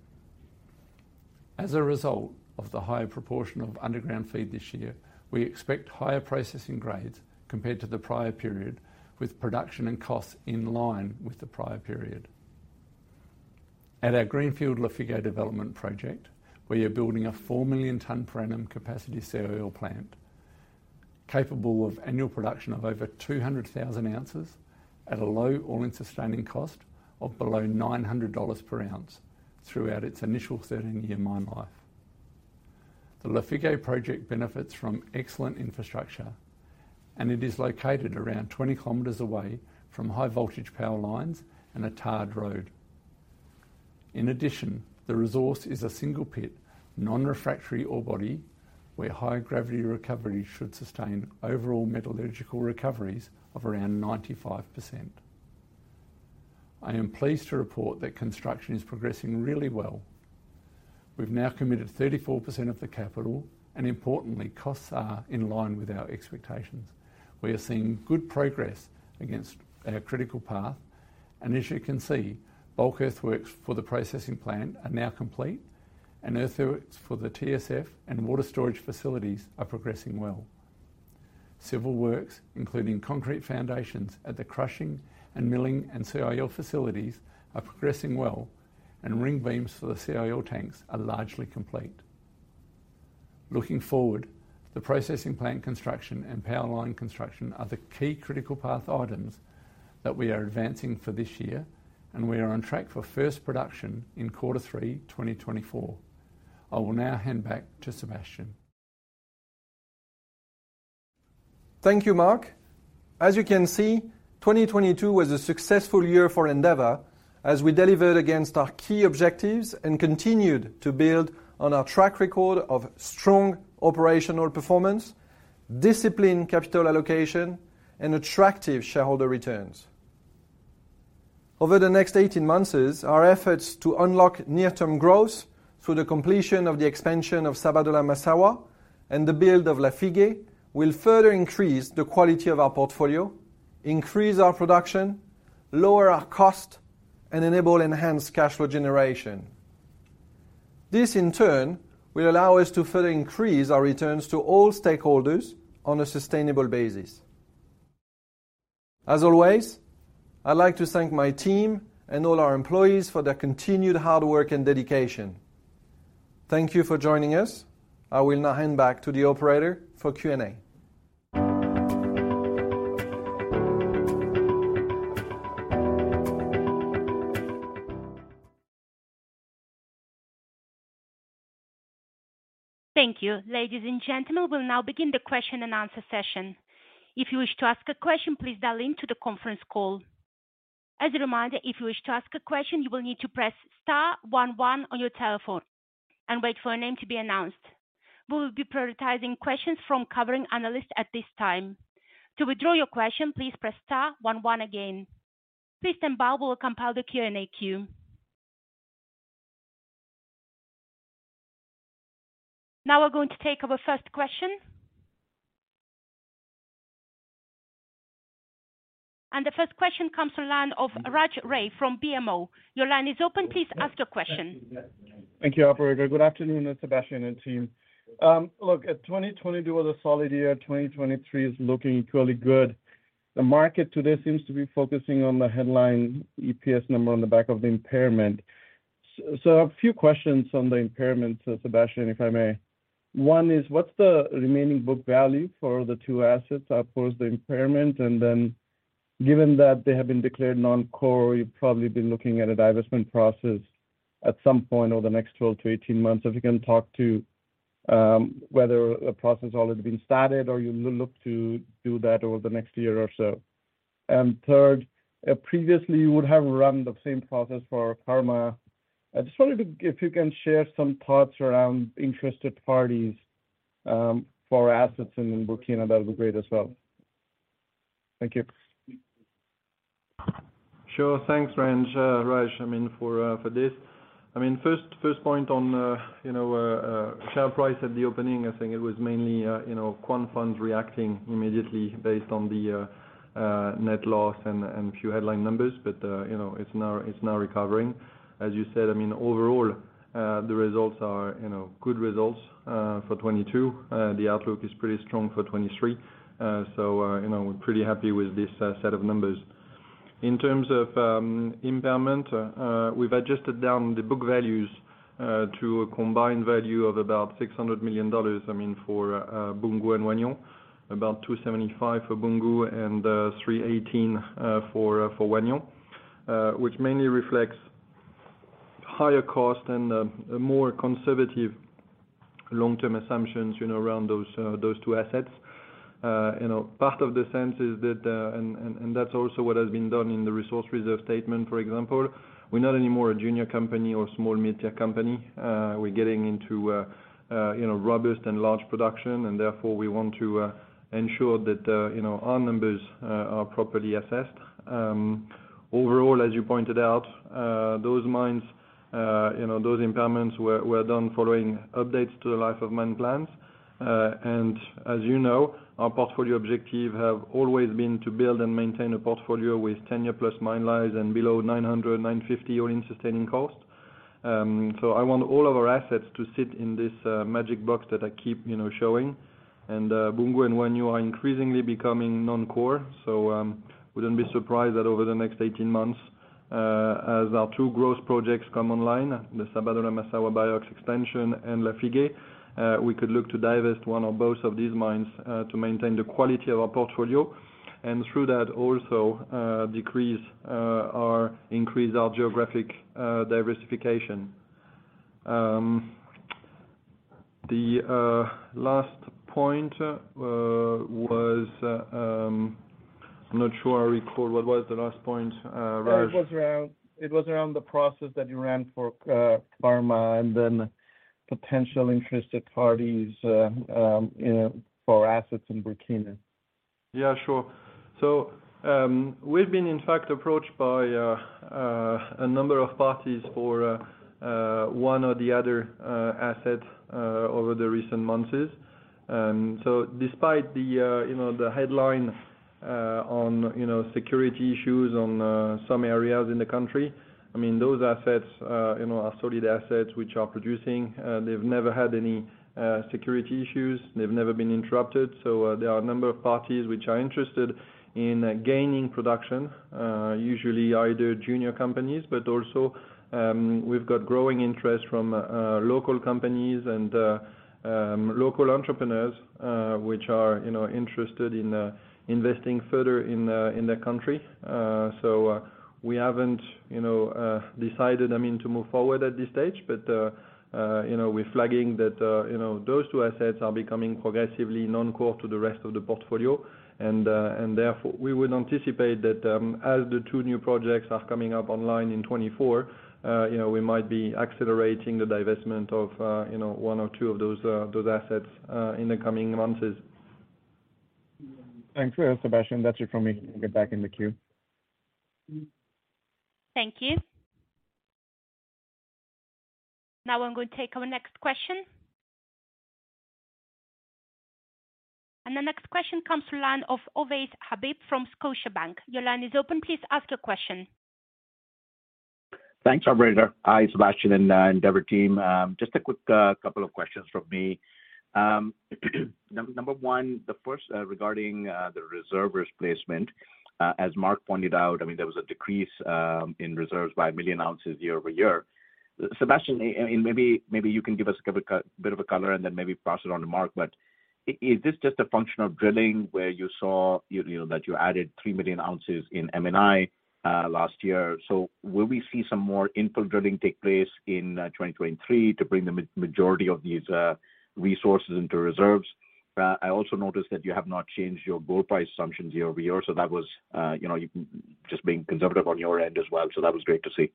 As a result of the higher proportion of underground feed this year, we expect higher processing grades compared to the prior period, with production and costs in line with the prior period. At our Greenfield Lafigué development project, we are building a 4 million tonne per annum capacity serial plant, capable of annual production of over 200,000oz at a low all-in sustaining cost of below $900 per ounce throughout its initial 13 years mine life. The Lafigué project benefits from excellent infrastructure, and it is located around 20 km away from high-voltage power lines and a tarred road. In addition, the resource is a single pit, non-refractory ore body, where high gravity recovery should sustain overall metallurgical recoveries of around 95%. I am pleased to report that construction is progressing really well. We've now committed 34% of the capital, and importantly, costs are in line with our expectations. We are seeing good progress against our critical path. As you can see, bulk earthworks for the processing plant are now complete. Earthworks for the TSF and water storage facilities are progressing well. Civil works, including concrete foundations at the crushing and milling and CIL facilities, are progressing well. Ring beams for the CIL tanks are largely complete. Looking forward, the processing plant construction and power line construction are the key critical path items that we are advancing for this year. We are on track for first production in quarter three, 2024. I will now hand back to Sébastien.
Thank you, Mark. As you can see, 2022 was a successful year for Endeavour as we delivered against our key objectives and continued to build on our track record of strong operational performance, disciplined capital allocation, and attractive shareholder returns. Over the next 18 months, our efforts to unlock near-term growth through the completion of the expansion of Sabodala-Massawa and the build of Lafigué will further increase the quality of our portfolio, increase our production, lower our cost, and enable enhanced cash flow generation. This, in turn, will allow us to further increase our returns to all stakeholders on a sustainable basis. As always, I'd like to thank my team and all our employees for their continued hard work and dedication. Thank you for joining us. I will now hand back to the operator for Q&A.
Thank you. Ladies and gentlemen, we'll now begin the question-and-answer session. If you wish to ask a question, please dial into the conference call. As a reminder, if you wish to ask a question, you will need to press star one one on your telephone and wait for a name to be announced. We will be prioritizing questions from covering analysts at this time. To withdraw your question, please press star one one again. Please stand by while we compile the Q&A queue. Now we're going to take our first question. The first question comes to line of Raj Ray from BMO. Your line is open. Please ask your question.
Thank you, operator. Good afternoon, Sébastien and team. Look, 2022 was a solid year. 2023 is looking really good. The market today seems to be focusing on the headline EPS number on the back of the impairment. A few questions on the impairment, Sébastien, if I may. One is, what's the remaining book value for the two assets, of course, the impairment, and then given that they have been declared non-core, you've probably been looking at a divestment process at some point over the next 12 to 18 months. If you can talk to, whether a process has already been started or you look to do that over the next year or so. Third, previously you would have run the same process for Karma. I just wondered if you can share some thoughts around interested parties for assets in Burkina, that'd be great as well. Thank you.
Sure. Thanks, Raj, I mean, for this. I mean, first point on, you know, share price at the opening. I think it was mainly, you know, quant funds reacting immediately based on the net loss and a few headline numbers. You know, it's now recovering. As you said, I mean, overall, the results are, you know, good results for 2022. The outlook is pretty strong for 2023. You know, we're pretty happy with this set of numbers. In terms of impairment, we've adjusted down the book values to a combined value of about $600 million, I mean, for Boungou and Wahgnion. About $275 million for Boungou and $318 million for Wahgnion. Which mainly reflects higher cost and a more conservative long-term assumptions, you know, around those two assets. You know, part of the sense is that and that's also what has been done in the resource reserve statement, for example. We're not anymore a junior company or small media company. We're getting into, you know, robust and large production, therefore we want to ensure that, you know, our numbers are properly assessed. Overall, as you pointed out, those mines, you know, those impairments were done following updates to the life of mine plans. As you know, our portfolio objective have always been to build and maintain a portfolio with 10-year plus mine lives and below $900-$950 all-in sustaining costs. I want all of our assets to sit in this magic box that I keep, you know, showing. Boungou and Wahgnion are increasingly becoming non-core, wouldn't be surprised that over the next 18 months, as our two growth projects come online, the Sabodala-Massawa BIOX extension and Lafigué, we could look to divest one or both of these mines, to maintain the quality of our portfolio. Through that also, decrease or increase our geographic diversification. The last point was, I'm not sure I recall. What was the last point, Raj?
It was around the process that you ran for Teranga and then potential interested parties for assets in Burkina.
We've been, in fact, approached by a number of parties for one or the other asset over the recent months. Despite the, you know, the headline on, you know, security issues on some areas in the country, I mean, those assets, you know, are solid assets which are producing. They've never had any security issues. They've never been interrupted. There are a number of parties which are interested in gaining production, usually either junior companies. We've got growing interest from local companies and local entrepreneurs which are, you know, interested in investing further in the country. We haven't, you know, decided, I mean, to move forward at this stage you know, we're flagging that, you know, those two assets are becoming progressively non-core to the rest of the portfolio. Therefore, we would anticipate that, as the two new projects are coming up online in 2024, you know, we might be accelerating the divestment of, you know, one or two of those assets, in the coming months.
Thanks, Sebastian. That's it for me. I'll get back in the queue.
Thank you. Now I'm going to take our next question. The next question comes to line of Ovais Habib from Scotiabank. Your line is open. Please ask your question.
Thanks, operator. Hi, Sebastian and Endeavour team. Just a quick couple of questions from me. Number one, the first regarding the reserve replacement. As Mark pointed out, I mean, there was a decrease in reserves by 1 million oz year-over-year. Sebastian, and maybe you can give us a bit of a color and then maybe pass it on to Mark. Is this just a function of drilling where you saw, you know, that you added 3 million oz in M&I last year? Will we see some more infill drilling take place in 2023 to bring the majority of these resources into reserves? I also noticed that you have not changed your gold price assumptions year-over-year, that was, you know, you just being conservative on your end as well. That was great to see.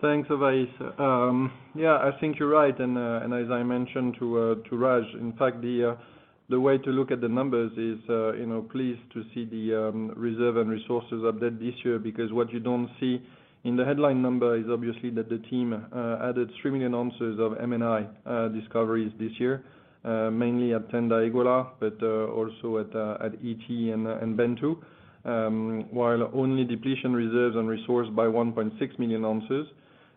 Thanks, Ovais. Yeah, I think you're right. As I mentioned to Raj, in fact, the way to look at the numbers is, you know, pleased to see the reserve and resources update this year, because what you don't see in the headline number is obviously that the team added 3 million oz of M&I discoveries this year, mainly at Tanda-Iguela, but also at Ity and Bantou. While only depletion reserves and resource by 1.6 million oz.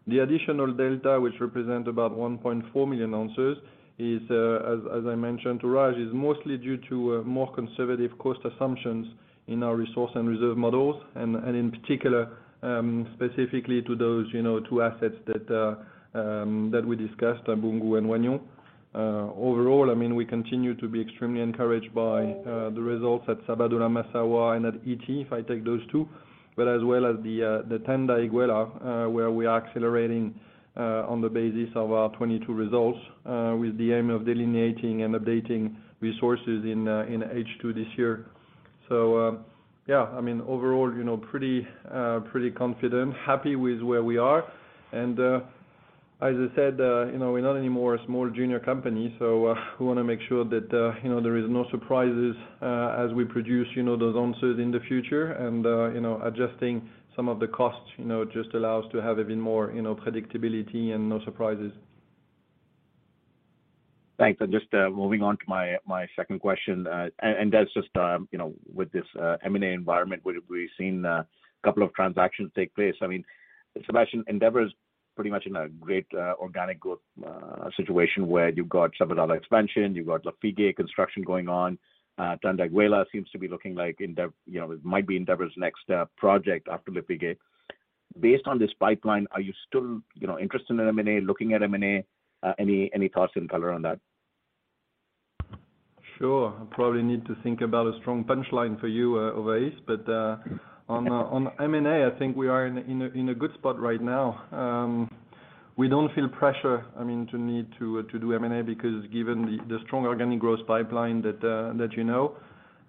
The additional delta, which represent about 1.4 million oz, as I mentioned to Raj, is mostly due to more conservative cost assumptions in our resource and reserve models, and in particular, specifically to those, you know, two assets that we discussed, Boungou and Wahgnion. Overall, I mean, we continue to be extremely encouraged by the results at Sabodala-Massawa and at Ity, if I take those two, but as well as the Tanda-Iguela, where we are accelerating on the basis of our 2022 results, with the aim of delineating and updating resources in H2 this year. Yeah, I mean, overall, you know, pretty confident, happy with where we are. As I said, you know, we're not anymore a small junior company, so we wanna make sure that, you know, there is no surprises, as we produce, you know, those ounces in the future. You know, adjusting some of the costs, you know, just allow us to have even more, you know, predictability and no surprises.
Thanks. Just moving on to my second question. That's just, you know, with this M&A environment, we've seen a couple of transactions take place. I mean, Sébastien, Endeavour is pretty much in a great organic growth situation where you've got several other expansion, you've got Lafigué construction going on. Tanda-Iguela seems to be looking like, you know, it might be Endeavour's next project after Lafigué. Based on this pipeline, are you still, you know, interested in M&A, looking at M&A? Any, any thoughts and color on that?
Sure. I probably need to think about a strong punchline for you, Ovais. On M&A, I think we are in a in a in a good spot right now. We don't feel pressure, I mean, to need to do M&A because given the the strong organic growth pipeline that that you know,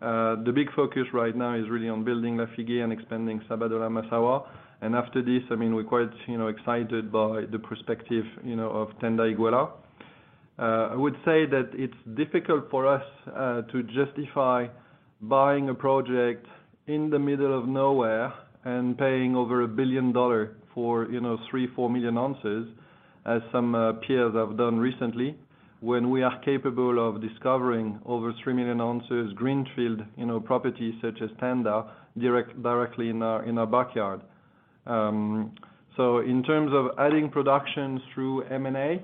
the big focus right now is really on building Lafigué and expanding Sabodala-Massawa. After this, I mean, we're quite, you know, excited by the perspective, you know, of Tanda-Iguela. I would say that it's difficult for us to justify buying a project in the middle of nowhere and paying over $1 billion for, you know, 3-4 million oz, as some peers have done recently, when we are capable of discovering over 3 million oz greenfield, you know, properties such as Tanda-Iguela direct, directly in our, in our backyard. In terms of adding productions through M&A,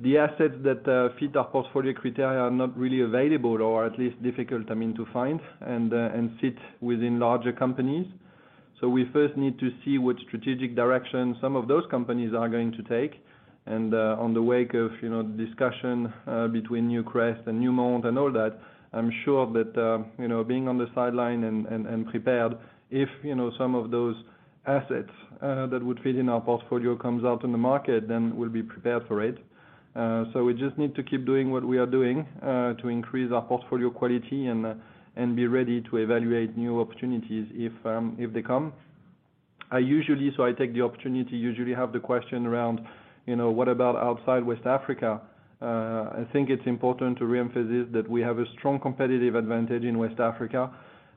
the assets that fit our portfolio criteria are not really available or at least difficult, I mean, to find and sit within larger companies. We first need to see what strategic direction some of those companies are going to take. On the wake of, you know, discussion between Newcrest and Newmont and all that, I'm sure that, you know, being on the sideline and prepared, if, you know, some of those assets that would fit in our portfolio comes out in the market, then we'll be prepared for it. We just need to keep doing what we are doing to increase our portfolio quality and be ready to evaluate new opportunities if they come. I take the opportunity to usually have the question around, you know, what about outside West Africa? I think it's important to re-emphasize that we have a strong competitive advantage in West Africa,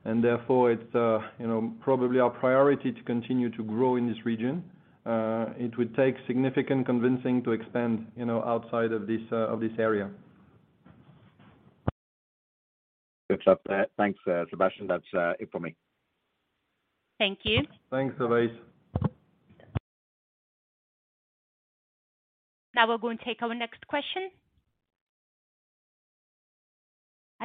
and therefore it's, you know, probably our priority to continue to grow in this region. It would take significant convincing to expand, you know, outside of this, of this area.
Good stuff there. Thanks, Sebastian. That's it for me.
Thank you.
Thanks, Ovais.
We're going to take our next question.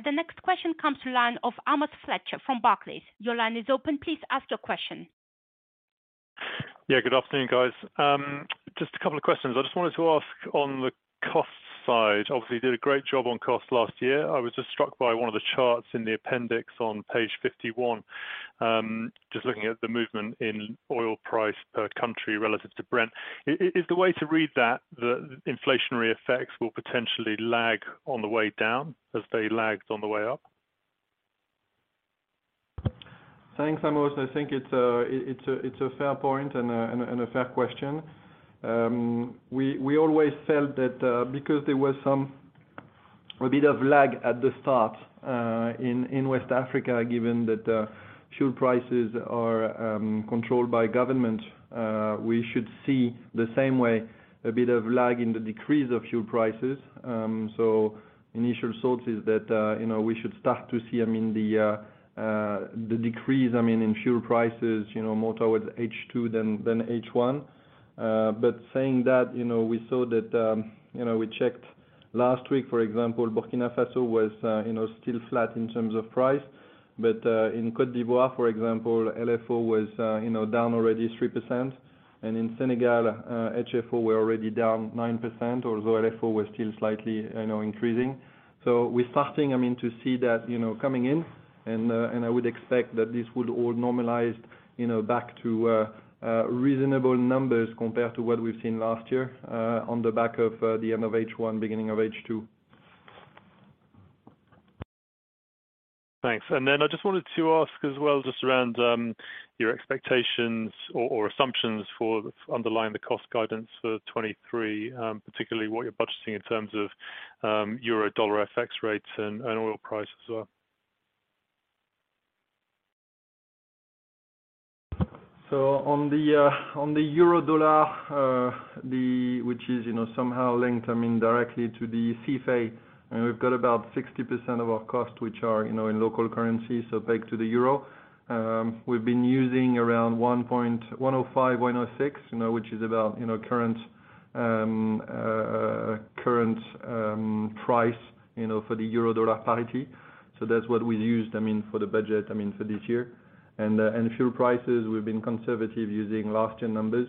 The next question comes to line of Amos Fletcher from Barclays. Your line is open. Please ask your question.
Yeah, good afternoon, guys. Just a couple of questions. I just wanted to ask on the cost side, obviously, you did a great job on cost last year. I was just struck by one of the charts in the appendix on page 51, just looking at the movement in oil price per country relative to Brent. Is the way to read that the inflationary effects will potentially lag on the way down as they lagged on the way up?
Thanks, Amos. I think it's a fair point and a fair question. We always felt that because there was a bit of lag at the start in West Africa, given that fuel prices are controlled by government, we should see the same way, a bit of lag in the decrease of fuel prices. Initial thought is that, you know, we should start to see, I mean, the decrease, I mean, in fuel prices, you know, more towards H2 than H1. Saying that, you know, we saw that, you know, we checked last week, for example, Burkina Faso was, you know, still flat in terms of price. But in Côte d'Ivoire, for example, LFO was, you know, down already 3%. In Senegal, HFO were already down 9%, although LFO was still slightly, you know, increasing. We're starting, I mean, to see that, you know, coming in, and I would expect that this would all normalize, you know, back to reasonable numbers compared to what we've seen last year, on the back of the end of H1, beginning of H2.
Thanks. I just wanted to ask as well, just around, your expectations or assumptions for underlying the cost guidance for 2023, particularly what you're budgeting in terms of euro-dollar FX rates and oil price as well.
On the euro-dollar, which is, you know, somehow linked, I mean, directly to the CFA, and we've got about 60% of our costs which are, you know, in local currency, so peg to the euro. We've been using around 1.105, 1.106, you know, which is about, you know, current price, you know, for the euro-dollar parity. That's what we used, I mean, for the budget, I mean, for this year. Fuel prices, we've been conservative using last year numbers,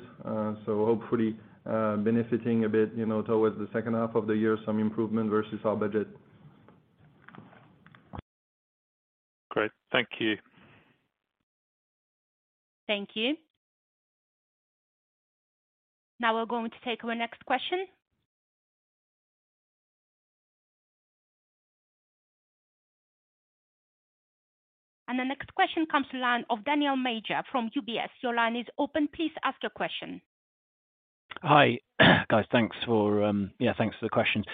so hopefully, benefiting a bit, you know, towards the second half of the year, some improvement versus our budget.
Great. Thank you.
Thank you. Now we're going to take our next question. The next question comes to line of Daniel Major from UBS. Your line is open. Please ask your question.
Hi guys. Thanks for, thanks for the question.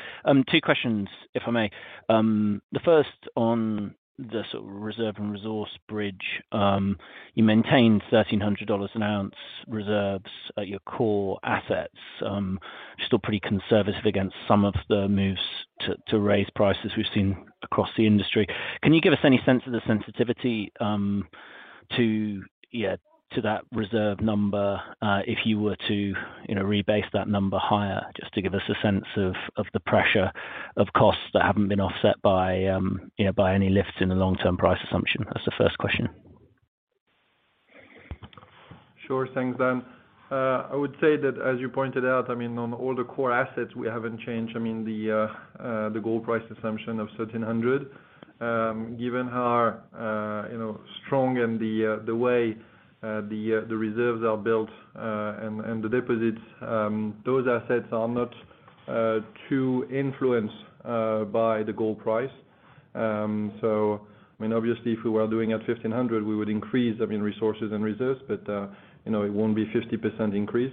Two questions, if I may. The first on the sort of reserve and resource bridge. You maintained $1,300 an ounce reserves at your core assets, still pretty conservative against some of the moves to raise prices we've seen across the industry. Can you give us any sense of the sensitivity to that reserve number, if you were to, you know, rebase that number higher, just to give us a sense of the pressure of costs that haven't been offset by, you know, by any lifts in the long-term price assumption? That's the first question.
Sure. Thanks, Dan. I would say that, as you pointed out, I mean, on all the core assets, we haven't changed, I mean, the gold price assumption of $1,300. Given how our, you know, strong and the way the reserves are built and the deposits, those assets are not too influenced by the gold price. I mean, obviously, if we were doing at $1,500, we would increase, I mean, resources and reserves, but, you know, it won't be 50% increase.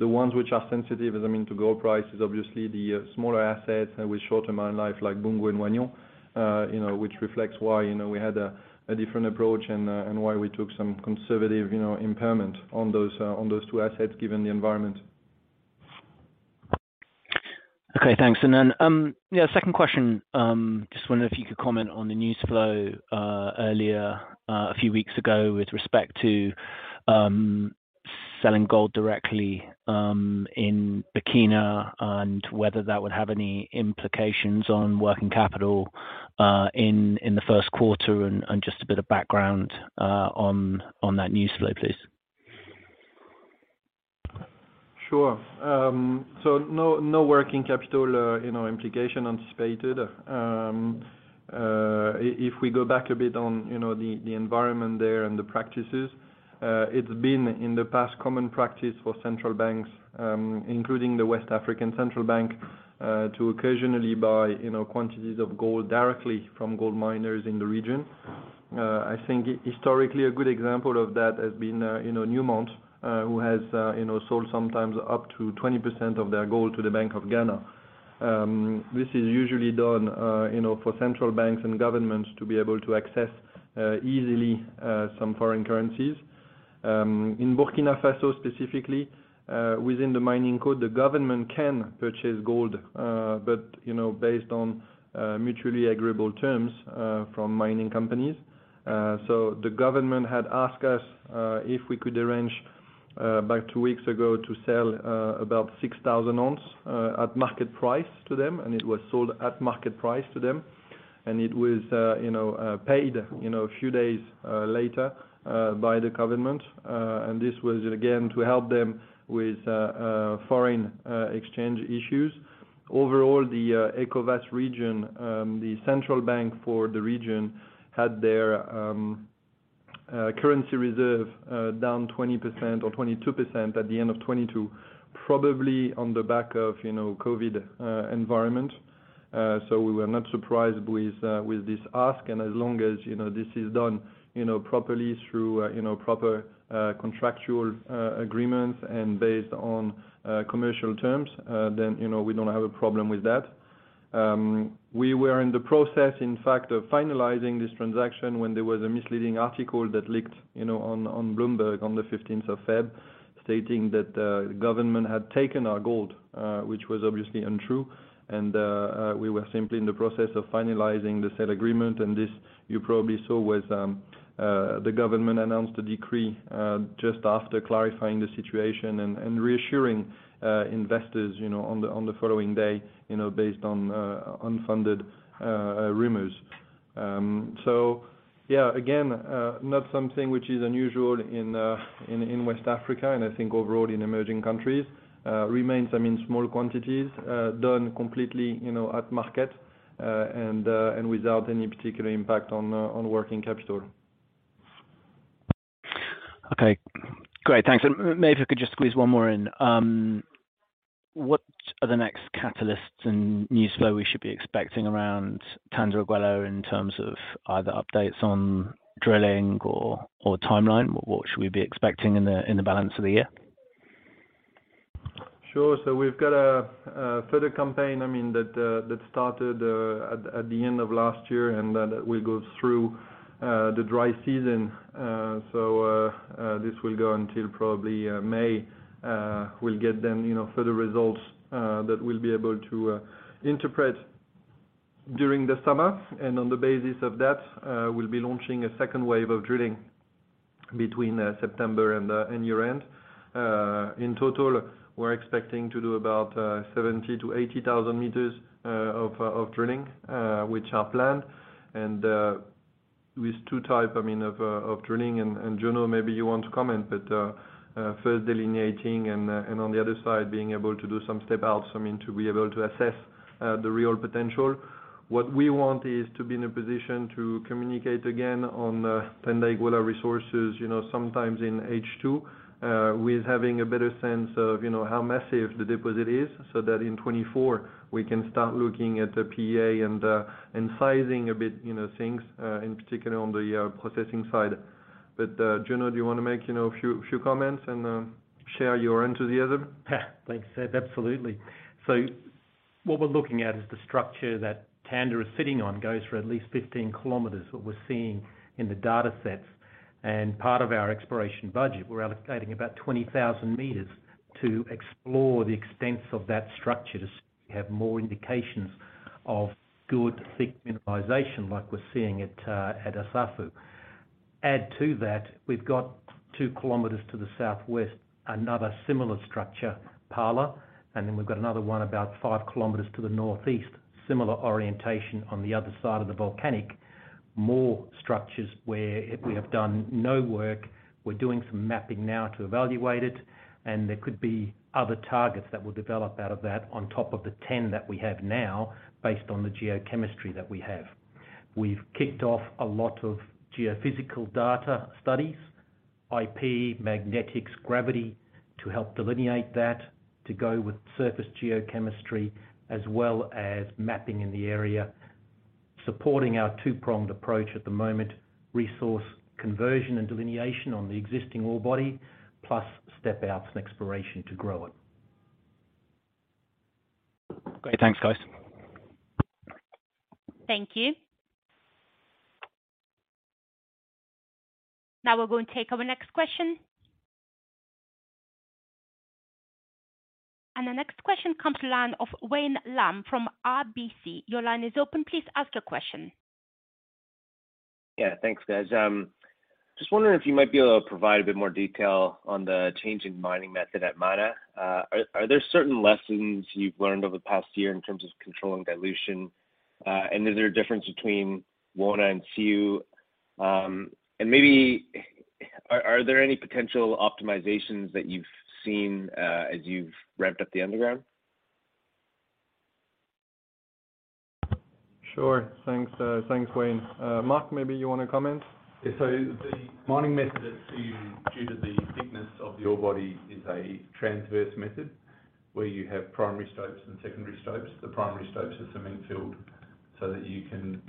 The ones which are sensitive, I mean, to gold prices, obviously the smaller assets with shorter mine life like Boungou and Wahgnion, you know, which reflects why, you know, we had a different approach and why we took some conservative, you know, impairment on those, on those two assets, given the environment.
Okay. Thanks. Second question, just wondering if you could comment on the news flow earlier a few weeks ago with respect to selling gold directly in Burkina and whether that would have any implications on working capital in the first quarter and just a bit of background on that news flow, please?
Sure. No, no working capital, you know, implication anticipated. If we go back a bit on, you know, the environment there and the practices, it's been in the past common practice for Central Banks, including the West African Central Bank, to occasionally buy, you know, quantities of gold directly from gold miners in the region. I think historically a good example of that has been, you know, Newmont, who has, you know, sold sometimes up to 20% of their gold to the Bank of Ghana. This is usually done, you know, for central banks and governments to be able to access, easily, some foreign currencies. In Burkina Faso specifically, within the mining code, the government can purchase gold, but, you know, based on mutually agreeable terms, from mining companies. The government had asked us if we could arrange about two weeks ago to sell about 6,000 oz at market price to them, and it was sold at market price to them. It was, you know, paid, you know, a few days later by the government. This was again, to help them with foreign exchange issues. Overall, the ECOWAS region, the central bank for the region had their currency reserve down 20% or 22% at the end of 2022, probably on the back of, you know, COVID environment. We were not surprised with this ask and as long as, you know, this is done, you know, properly through, you know, proper, contractual, agreements and based on, commercial terms, then, you know, we don't have a problem with that. We were in the process, in fact, of finalizing this transaction when there was a misleading article that leaked, you know, on Bloomberg on the 15th of February, stating that, government had taken our gold, which was obviously untrue. We were simply in the process of finalizing the said agreement. This you probably saw was, the government announced a decree, just after clarifying the situation and reassuring, investors, you know, on the, on the following day, you know, based on, unfunded rumors. Yeah, again, not something which is unusual in West Africa and I think overall in emerging countries, remains, I mean, small quantities, done completely, you know, at market, and without any particular impact on working capital.
Okay. Great. Thanks. Maybe if I could just squeeze one more in. What are the next catalysts and news flow we should be expecting around Tanda-Iguela in terms of either updates on drilling or timeline? What should we be expecting in the balance of the year?
Sure. We've got a further campaign, I mean, that started at the end of last year and that will go through the dry season. This will go until probably May. We'll get then, you know, further results that we'll be able to interpret during the summer. On the basis of that, we'll be launching a second wave of drilling between September and year-end. In total, we're expecting to do about 70,000-80,000 meters of drilling, which are planned. With two type of drilling, and Joanna maybe you want to comment, but first delineating and on the other side being able to do some step out to be able to assess the real potential. What we want is to be in a position to communicate again on Tanda-Iguela resources sometimes in H2, with having a better sense of how massive the deposit is, so that in 2024, we can start looking at the PEA and sizing a bit things in particular on the processing side. Joanna, do you wanna make a few comments and share your enthusiasm?
Thanks, Seb. Absolutely. What we're looking at is the structure that Tanda is sitting on goes for at least 15 km, what we're seeing in the datasets. Part of our exploration budget, we're allocating about 20,000 meters to explore the extent of that structure to have more indications of good thick mineralization like we're seeing at Assafou. Add to that, we've got 2 km to the southwest, another similar structure, Pala. We've got another one about 5 km to the northeast, similar orientation on the other side of the volcanic. More structures where we have done no work. We're doing some mapping now to evaluate it, and there could be other targets that will develop out of that on top of the 10 that we have now based on the geochemistry that we have. We've kicked off a lot of geophysical data studies, IP, magnetics, gravity, to help delineate that, to go with surface geochemistry as well as mapping in the area, supporting our two-pronged approach at the moment: resource conversion and delineation on the existing ore body, plus step-outs and exploration to grow it.
Great. Thanks, guys.
Thank you. Now we'll go and take our next question. The next question comes to line of Wayne Lam from RBC. Your line is open. Please ask your question.
Yeah. Thanks, guys. Just wondering if you might be able to provide a bit more detail on the change in mining method at Mana. Are there certain lessons you've learned over the past year in terms of controlling dilution? Is there a difference between Wona and Siou? Maybe are there any potential optimizations that you've seen as you've ramped up the underground?
Sure. Thanks. Thanks, Wayne. Mark, maybe you wanna comment?
The mining method at Siou due to the thickness of the ore body is a transverse method, where you have primary stopes and secondary stopes. The primary stopes are cement filled so that you can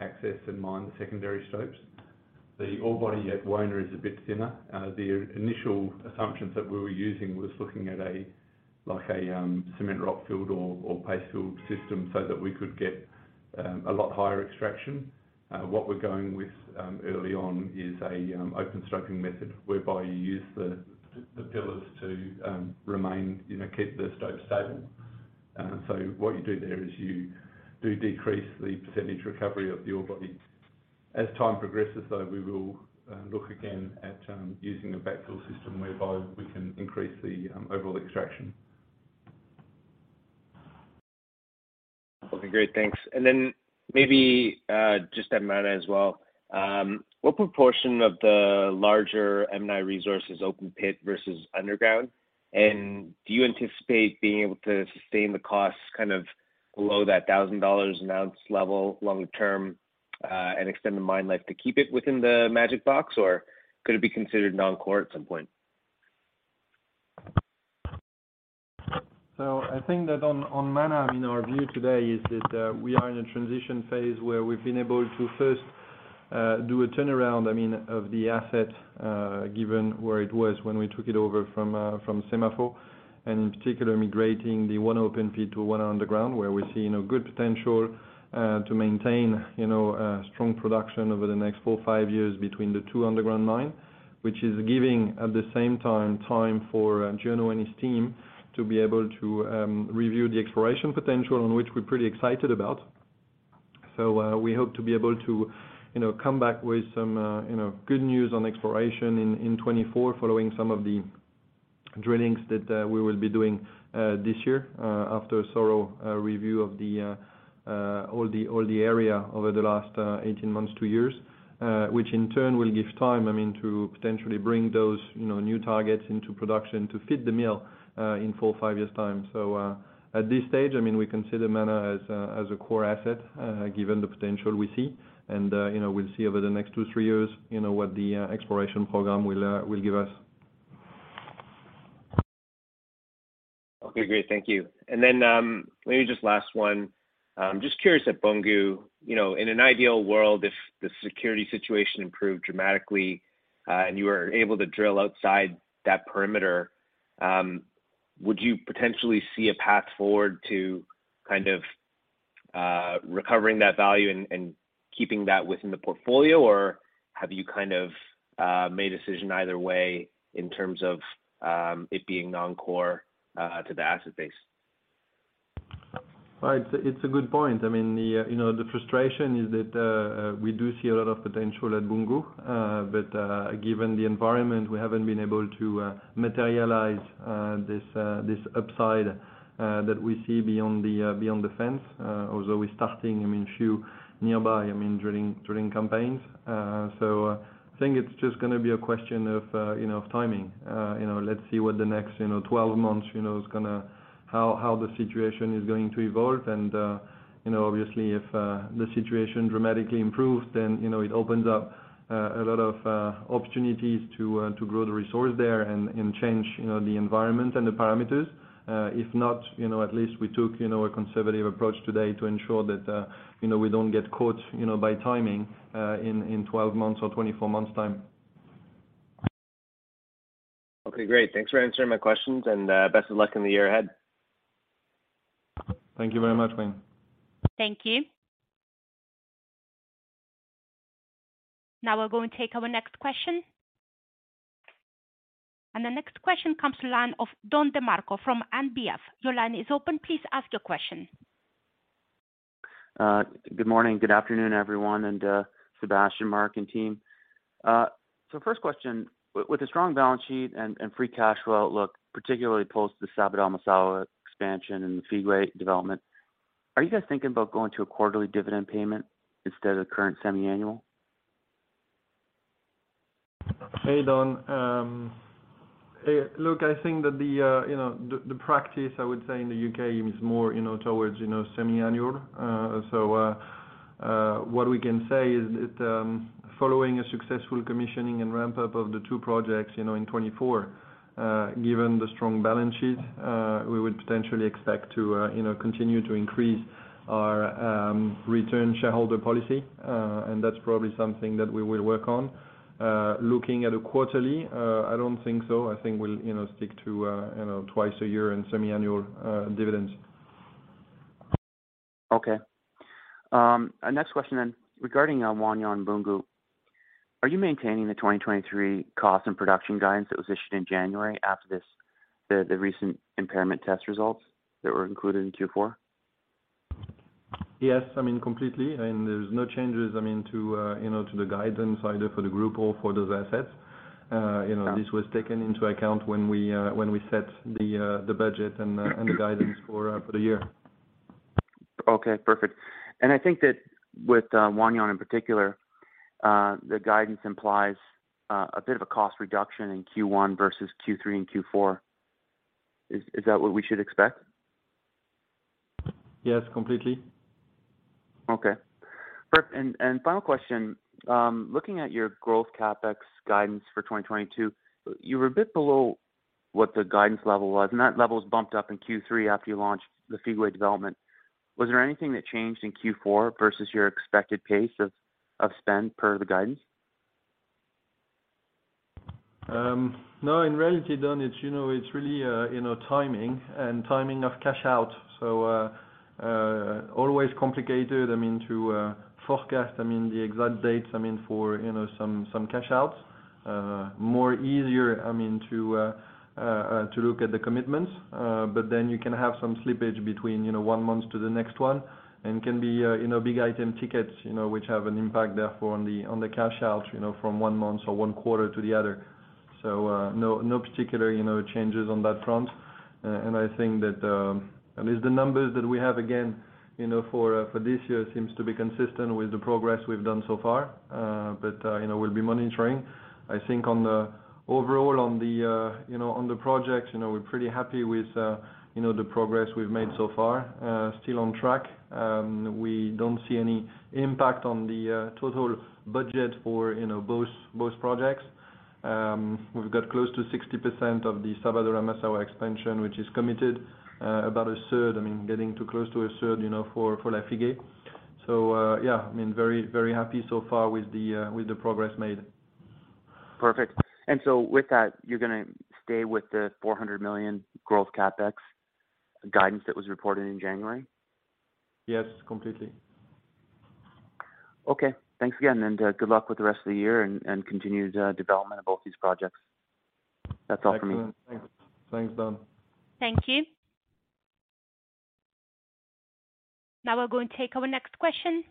access and mine the secondary stopes. The ore body at Wona is a bit thinner. The initial assumptions that we were using was looking at a like a cemented rockfill or paste fill system so that we could get a lot higher extraction. What we're going with early on is a open stoping method, whereby you use the pillars to remain, you know, keep the stopes stable. What you do there is you decrease the percentage recovery of the ore body. As time progresses, though, we will look again at using a backfill system whereby we can increase the overall extraction.
Okay, great. Thanks. Then maybe just at Mana as well, what proportion of the larger M&I resource is open pit versus underground? Do you anticipate being able to sustain the costs kind of below that $1,000 an ounce level long term, and extend the mine life to keep it within the magic box? Or could it be considered non-core at some point?
I think that on Mana, I mean, our view today is that we are in a transition phase where we've been able to first do a turnaround, I mean, of the asset, given where it was when we took it over from Semafo, and in particular, migrating the one open pit to one underground, where we see, you know, good potential to maintain, you know, strong production over the next four or five years between the two underground mine, which is giving, at the same time for Joanna and his team to be able to review the exploration potential and which we're pretty excited about. We hope to be able to, you know, come back with some, you know, good news on exploration in 2024, following some of the drillings that we will be doing this year after a thorough review of the all the area over the last 18 months, two years, which in turn will give time, I mean, to potentially bring those, you know, new targets into production to feed the mill in four or five years' time. At this stage, I mean, we consider Mana as a core asset given the potential we see. You know, we'll see over the next two, three years, you know, what the exploration program will give us.
Okay, great. Thank you. Then, maybe just last one. Just curious at Boungou, you know, in an ideal world, if the security situation improved dramatically, and you were able to drill outside that perimeter, would you potentially see a path forward to kind of, recovering that value and keeping that within the portfolio? Have you kind of, made a decision either way in terms of, it being non-core, to the asset base?
Well, it's a good point. I mean, the, you know, the frustration is that, we do see a lot of potential at Boungou. Given the environment, we haven't been able to materialize this upside that we see beyond the, beyond the fence, although we're starting, I mean, a few nearby, I mean, drilling campaigns. I think it's just gonna be a question of, you know, timing. You know, let's see what the next, you know, 12 months, how the situation is going to evolve. You know, obviously if, the situation dramatically improves, then, you know, it opens up a lot of opportunities to grow the resource there and change, you know, the environment and the parameters. If not, you know, at least we took, you know, a conservative approach today to ensure that, you know, we don't get caught, you know, by timing, in 12 months or 24 months' time.
Okay, great. Thanks for answering my questions, and best of luck in the year ahead.
Thank you very much, Wayne.
Thank you. Now we're going to take our next question. The next question comes the line of Don DeMarco from NBF. Your line is open. Please ask your question.
Good morning, good afternoon, everyone, and Sebastian, Mark, and team. First question, with a strong balance sheet and free cash flow outlook, particularly post the Sabodala-Massawa expansion and the Lafigué development, are you guys thinking about going to a quarterly dividend payment instead of the current semi-annual?
Hey, Don. Look, I think that the, you know, the practice I would say in the U.K. is more, you know, towards, you know, semi-annual. What we can say is that, following a successful commissioning and ramp-up of the two projects, you know, in 2024, given the strong balance sheet, we would potentially expect to, you know, continue to increase our return shareholder policy. That's probably something that we will work on. Looking at a quarterly, I don't think so. I think we'll, you know, stick to, you know, twice a year and semi-annual dividends.
Next question then. Regarding Wona and Boungou, are you maintaining the 2023 cost and production guidance that was issued in January after the recent impairment test results that were included in Q4?
Yes, I mean, completely, and there's no changes, I mean, to, you know, to the guidance either for the group or for those assets. You know, this was taken into account when we, when we set the budget and the guidance for the year.
Okay, perfect. I think that with Wahgnion in particular, the guidance implies a bit of a cost reduction in Q1 versus Q3 and Q4. Is that what we should expect?
Yes, completely.
Okay. Final question. Looking at your growth CapEx guidance for 2022, you were a bit below what the guidance level was, and that level is bumped up in Q3 after you launched the Lafigué development. Was there anything that changed in Q4 versus your expected pace of spend per the guidance?
No. In reality, Don, it's, you know, it's really, you know, timing and timing of cash out. Always complicated, I mean to forecast, I mean, the exact dates, I mean, for, you know, some cash outs. More easier, I mean, to look at the commitments, you can have some slippage between, you know, one month to the next one. Can be, you know, big item tickets, you know, which have an impact therefore on the, on the cash out, you know, from one month or one quarter to the other. No, no particular, you know, changes on that front. I think that, at least the numbers that we have again, you know, for this year seems to be consistent with the progress we've done so far. You know, we'll be monitoring. I think on the overall on the, you know, on the project, you know, we're pretty happy with, you know, the progress we've made so far, still on track. We don't see any impact on the total budget for, you know, both projects. We've got close to 60% of the Sabodala-Massawa expansion, which is committed, about a third, I mean, getting to close to a third, you know, for Lafigué. Yeah, I mean, very, very happy so far with the progress made.
Perfect. With that, you're going to stay with the $400 million growth CapEx guidance that was reported in January?
Yes, completely.
Okay, thanks again, and good luck with the rest of the year and continued development of both these projects. That's all for me.
Excellent. Thanks. Thanks, Don.
Thank you. Now we're going to take our next question.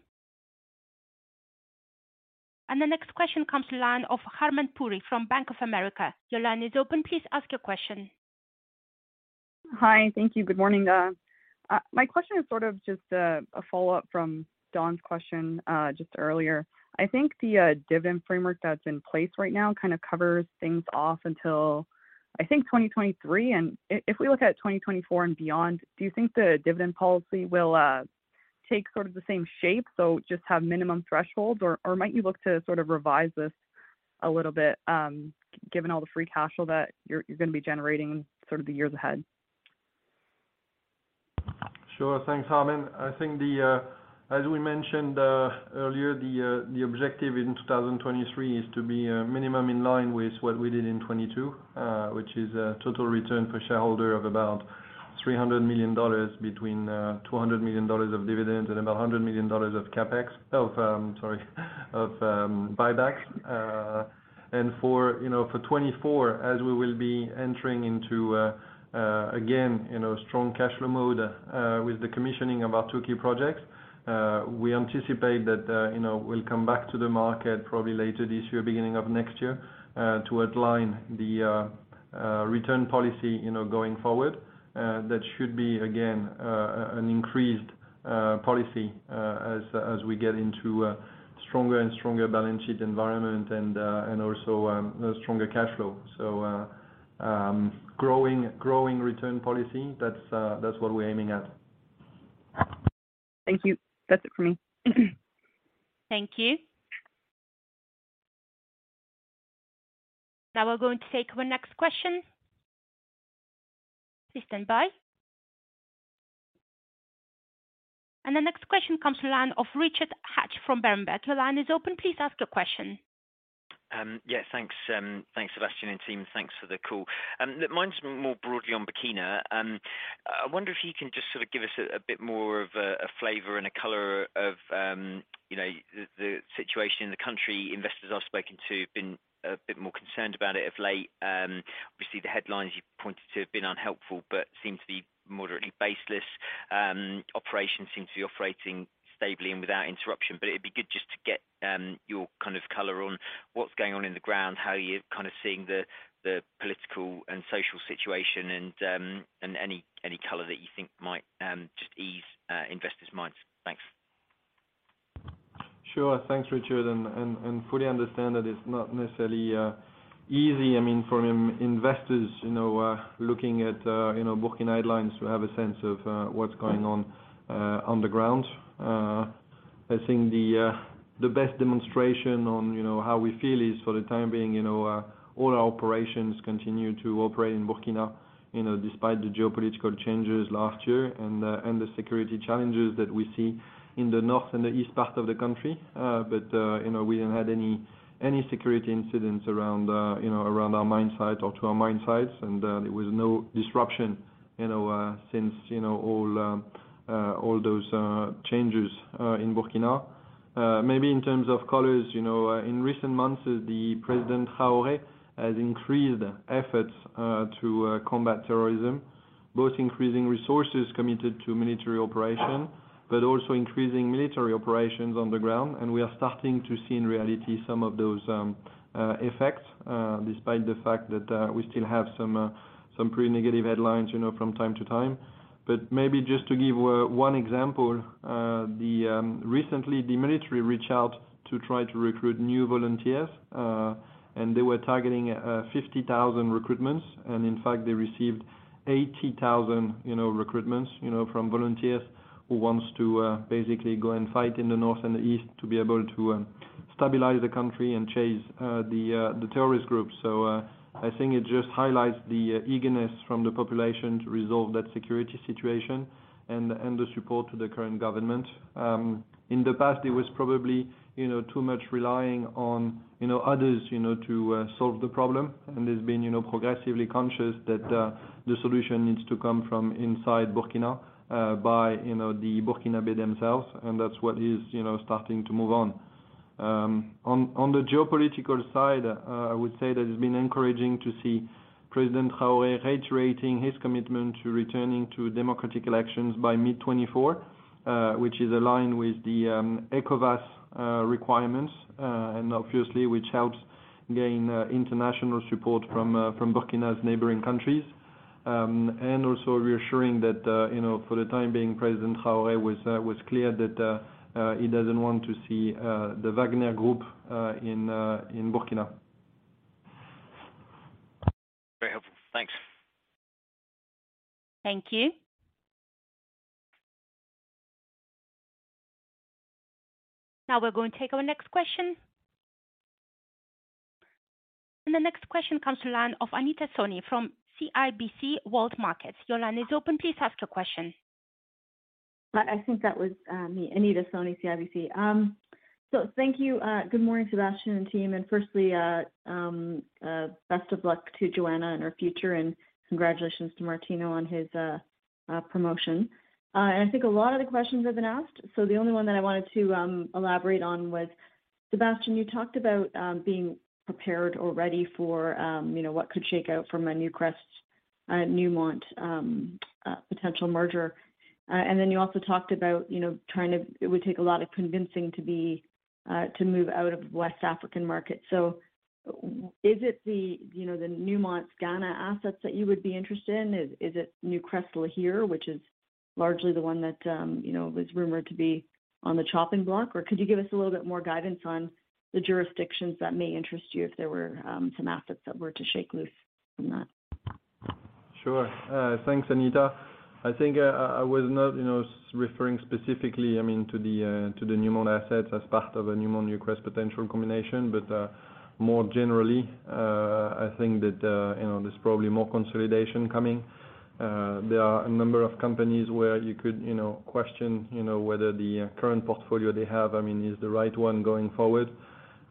The next question comes to line of Harmen Puri from Bank of America. Your line is open. Please ask your question.
Hi. Thank you. Good morning. My question is sort of just a follow-up from Don's question just earlier. I think the dividend framework that's in place right now kind of covers things off until, I think 2023. If we look at 2024 and beyond, do you think the dividend policy will take sort of the same shape, so just have minimum thresholds or might you look to sort of revise this a little bit given all the free cash flow that you're gonna be generating sort of the years ahead?
Sure. Thanks, Harmen. I think the, as we mentioned earlier, the objective in 2023 is to be minimum in line with what we did in 22, which is a total return for shareholder of about $300 million between $200 million of dividends and about $100 million of buyback. For, you know, for 24, as we will be entering into again, you know, strong cash flow mode, with the commissioning of our two key projects, we anticipate that, you know, we'll come back to the market probably later this year, beginning of next year, to outline the return policy, you know, going forward. That should be, again, an increased policy, as we get into a stronger and stronger balance sheet environment and also, a stronger cash flow. Growing return policy, that's what we're aiming at.
Thank you. That's it for me.
Thank you. Now we're going to take our next question. Please stand by. The next question comes to line of Richard Hatch from Berenberg. Your line is open. Please ask your question.
Yeah, thanks. Thanks, Sébastien and team. Thanks for the call. Mine's more broadly on Burkina. I wonder if you can just sort of give us a bit more of a flavor and a color of, you know, the situation in the country. Investors I've spoken to have been a bit more concerned about it of late. Obviously the headlines you pointed to have been unhelpful, but seem to be moderately baseless. Operations seem to be operating stably and without interruption. It'd be good just to get your kind of color on what's going on in the ground, how you're kind of seeing the political and social situation, and any color that you think might just ease investors' minds. Thanks.
Sure. Thanks, Richard. Fully understand that it's not necessarily easy, I mean, for investors, you know, looking at, you know, Burkina headlines to have a sense of what's going on on the ground. I think the best demonstration on, you know, how we feel is for the time being, you know, all our operations continue to operate in Burkina, you know, despite the geopolitical changes last year and the security challenges that we see in the north and the east part of the country. But, you know, we haven't had any security incidents around, you know, around our mine site or to our mine sites. There was no disruption, you know, since, you know, all those changes in Burkina. Maybe in terms of colors, you know, in recent months, President Kaboré has increased efforts to combat terrorism. Both increasing resources committed to military operation, but also increasing military operations on the ground. We are starting to see in reality some of those effects, despite the fact that we still have some pretty negative headlines, you know, from time to time. Maybe just to give one example, the recently the military reached out to try to recruit new volunteers, and they were targeting 50,000 recruitments and in fact they received 80,000, you know, recruitments, you know, from volunteers who wants to basically go and fight in the north and the east to be able to stabilize the country and chase the terrorist groups. I think it just highlights the eagerness from the population to resolve that security situation and the support to the current government. In the past it was probably, you know, too much relying on, you know, others, you know, to solve the problem. It's been, you know, progressively conscious that the solution needs to come from inside Burkina by, you know, the Burkinabe themselves, and that's what is, you know, starting to move on. On the geopolitical side, I would say that it's been encouraging to see President Kaboré reiterating his commitment to returning to democratic elections by mid-2024, which is aligned with the ECOWAS requirements, and obviously which helps gain international support from Burkina's neighboring countries. Also reassuring that, you know, for the time being, President Kaboré was clear that he doesn't want to see the Wagner Group in Burkina.
Very helpful. Thanks.
Thank you. Now we're going to take our next question. The next question comes to line of Anita Soni from CIBC World Markets. Your line is open. Please ask your question.
Hi, I think that was me, Anita Soni, CIBC. Thank you, good morning, Sebastian and team. Firstly, best of luck to Joanna in her future and congratulations to Martino on his promotion. I think a lot of the questions have been asked. The only one that I wanted to elaborate on was, Sebastian, you talked about being prepared or ready for, you know, what could shake out from a Newcrest, Newmont potential merger. You also talked about, you know, it would take a lot of convincing to be to move out of West African market. Is it the, you know, the Newmont Ghana assets that you would be interested in? Is it Newcrest Lihir, which is largely the one that, you know, was rumored to be on the chopping block? Could you give us a little bit more guidance on the jurisdictions that may interest you if there were some assets that were to shake loose from that?
Sure. Thanks, Anita. I think, I was not, you know, referring specifically, I mean, to the Newmont assets as part of a Newmont Newcrest potential combination. More generally, I think that, you know, there's probably more consolidation coming. There are a number of companies where you could, you know, question, you know, whether the current portfolio they have, I mean, is the right one going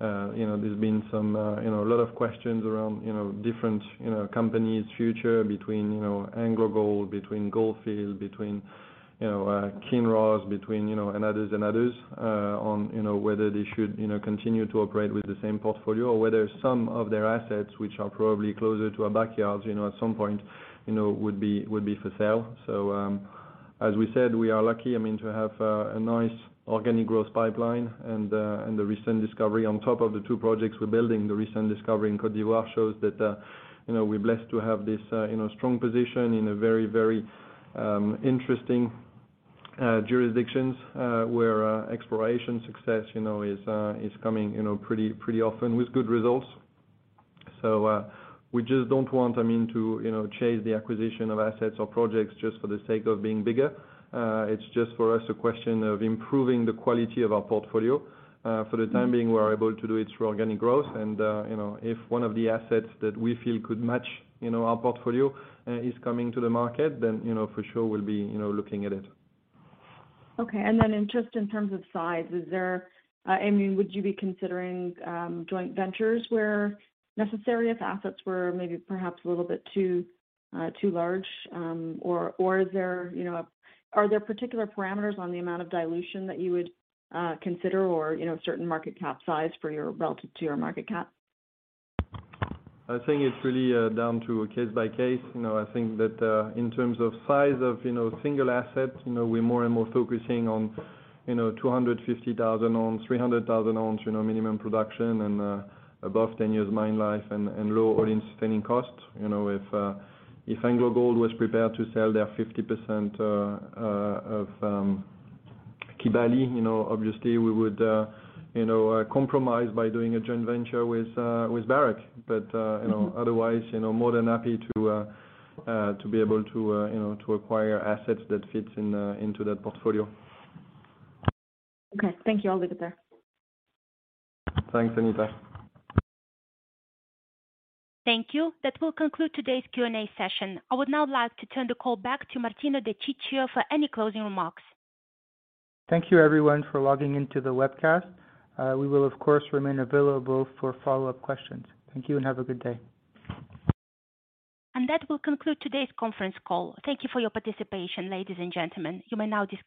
forward. You know, there's been some, you know, a lot of questions around, you know, different, you know, companies' future between, you know, AngloGold, between Gold Fields, between, you know, Kinross, between, you know, and others, on, you know, whether they should, you know, continue to operate with the same portfolio or whether some of their assets which are probably closer to our backyards, you know, at some point, you know, would be for sale. As we said, we are lucky, I mean, to have a nice organic growth pipeline and the recent discovery on top of the two projects we're building, the recent discovery in Côte d'Ivoire shows that, you know, we're blessed to have this, you know, strong position in a very, very interesting jurisdictions, where exploration success, you know, is coming pretty often with good results. We just don't want, I mean, to, you know, chase the acquisition of assets or projects just for the sake of being bigger. It's just for us a question of improving the quality of our portfolio. For the time being, we're able to do it through organic growth and, you know, if one of the assets that we feel could match, you know, our portfolio, is coming to the market, then, you know, for sure we'll be, you know, looking at it.
Okay. Just in terms of size, is there I mean, would you be considering joint ventures where necessary if assets were maybe perhaps a little bit too large? Or is there, you know, Are there particular parameters on the amount of dilution that you would consider or, you know, certain market cap size for your, relative to your market cap?
I think it's really down to a case by case. You know, I think that, in terms of size of, you know, single assets, you know, we're more and more focusing on, you know, 250,000 ounce, 300,000 ounce, you know, minimum production and, above 10 years mine life and low all-in sustaining cost. You know, if AngloGold was prepared to sell their 50%, of Kibali, you know, obviously we would, you know, compromise by doing a joint venture with Barrick. You know, otherwise, you know, more than happy to be able to, you know, to acquire assets that fits in into that portfolio.
Okay. Thank you. I'll leave it there.
Thanks, Anita.
Thank you. That will conclude today's Q&A session. I would now like to turn the call back to Martino De Ciccio for any closing remarks.
Thank you everyone for logging into the webcast. We will of course remain available for follow-up questions. Thank you. Have a good day.
That will conclude today's conference call. Thank you for your participation, ladies and gentlemen. You may now disconnect.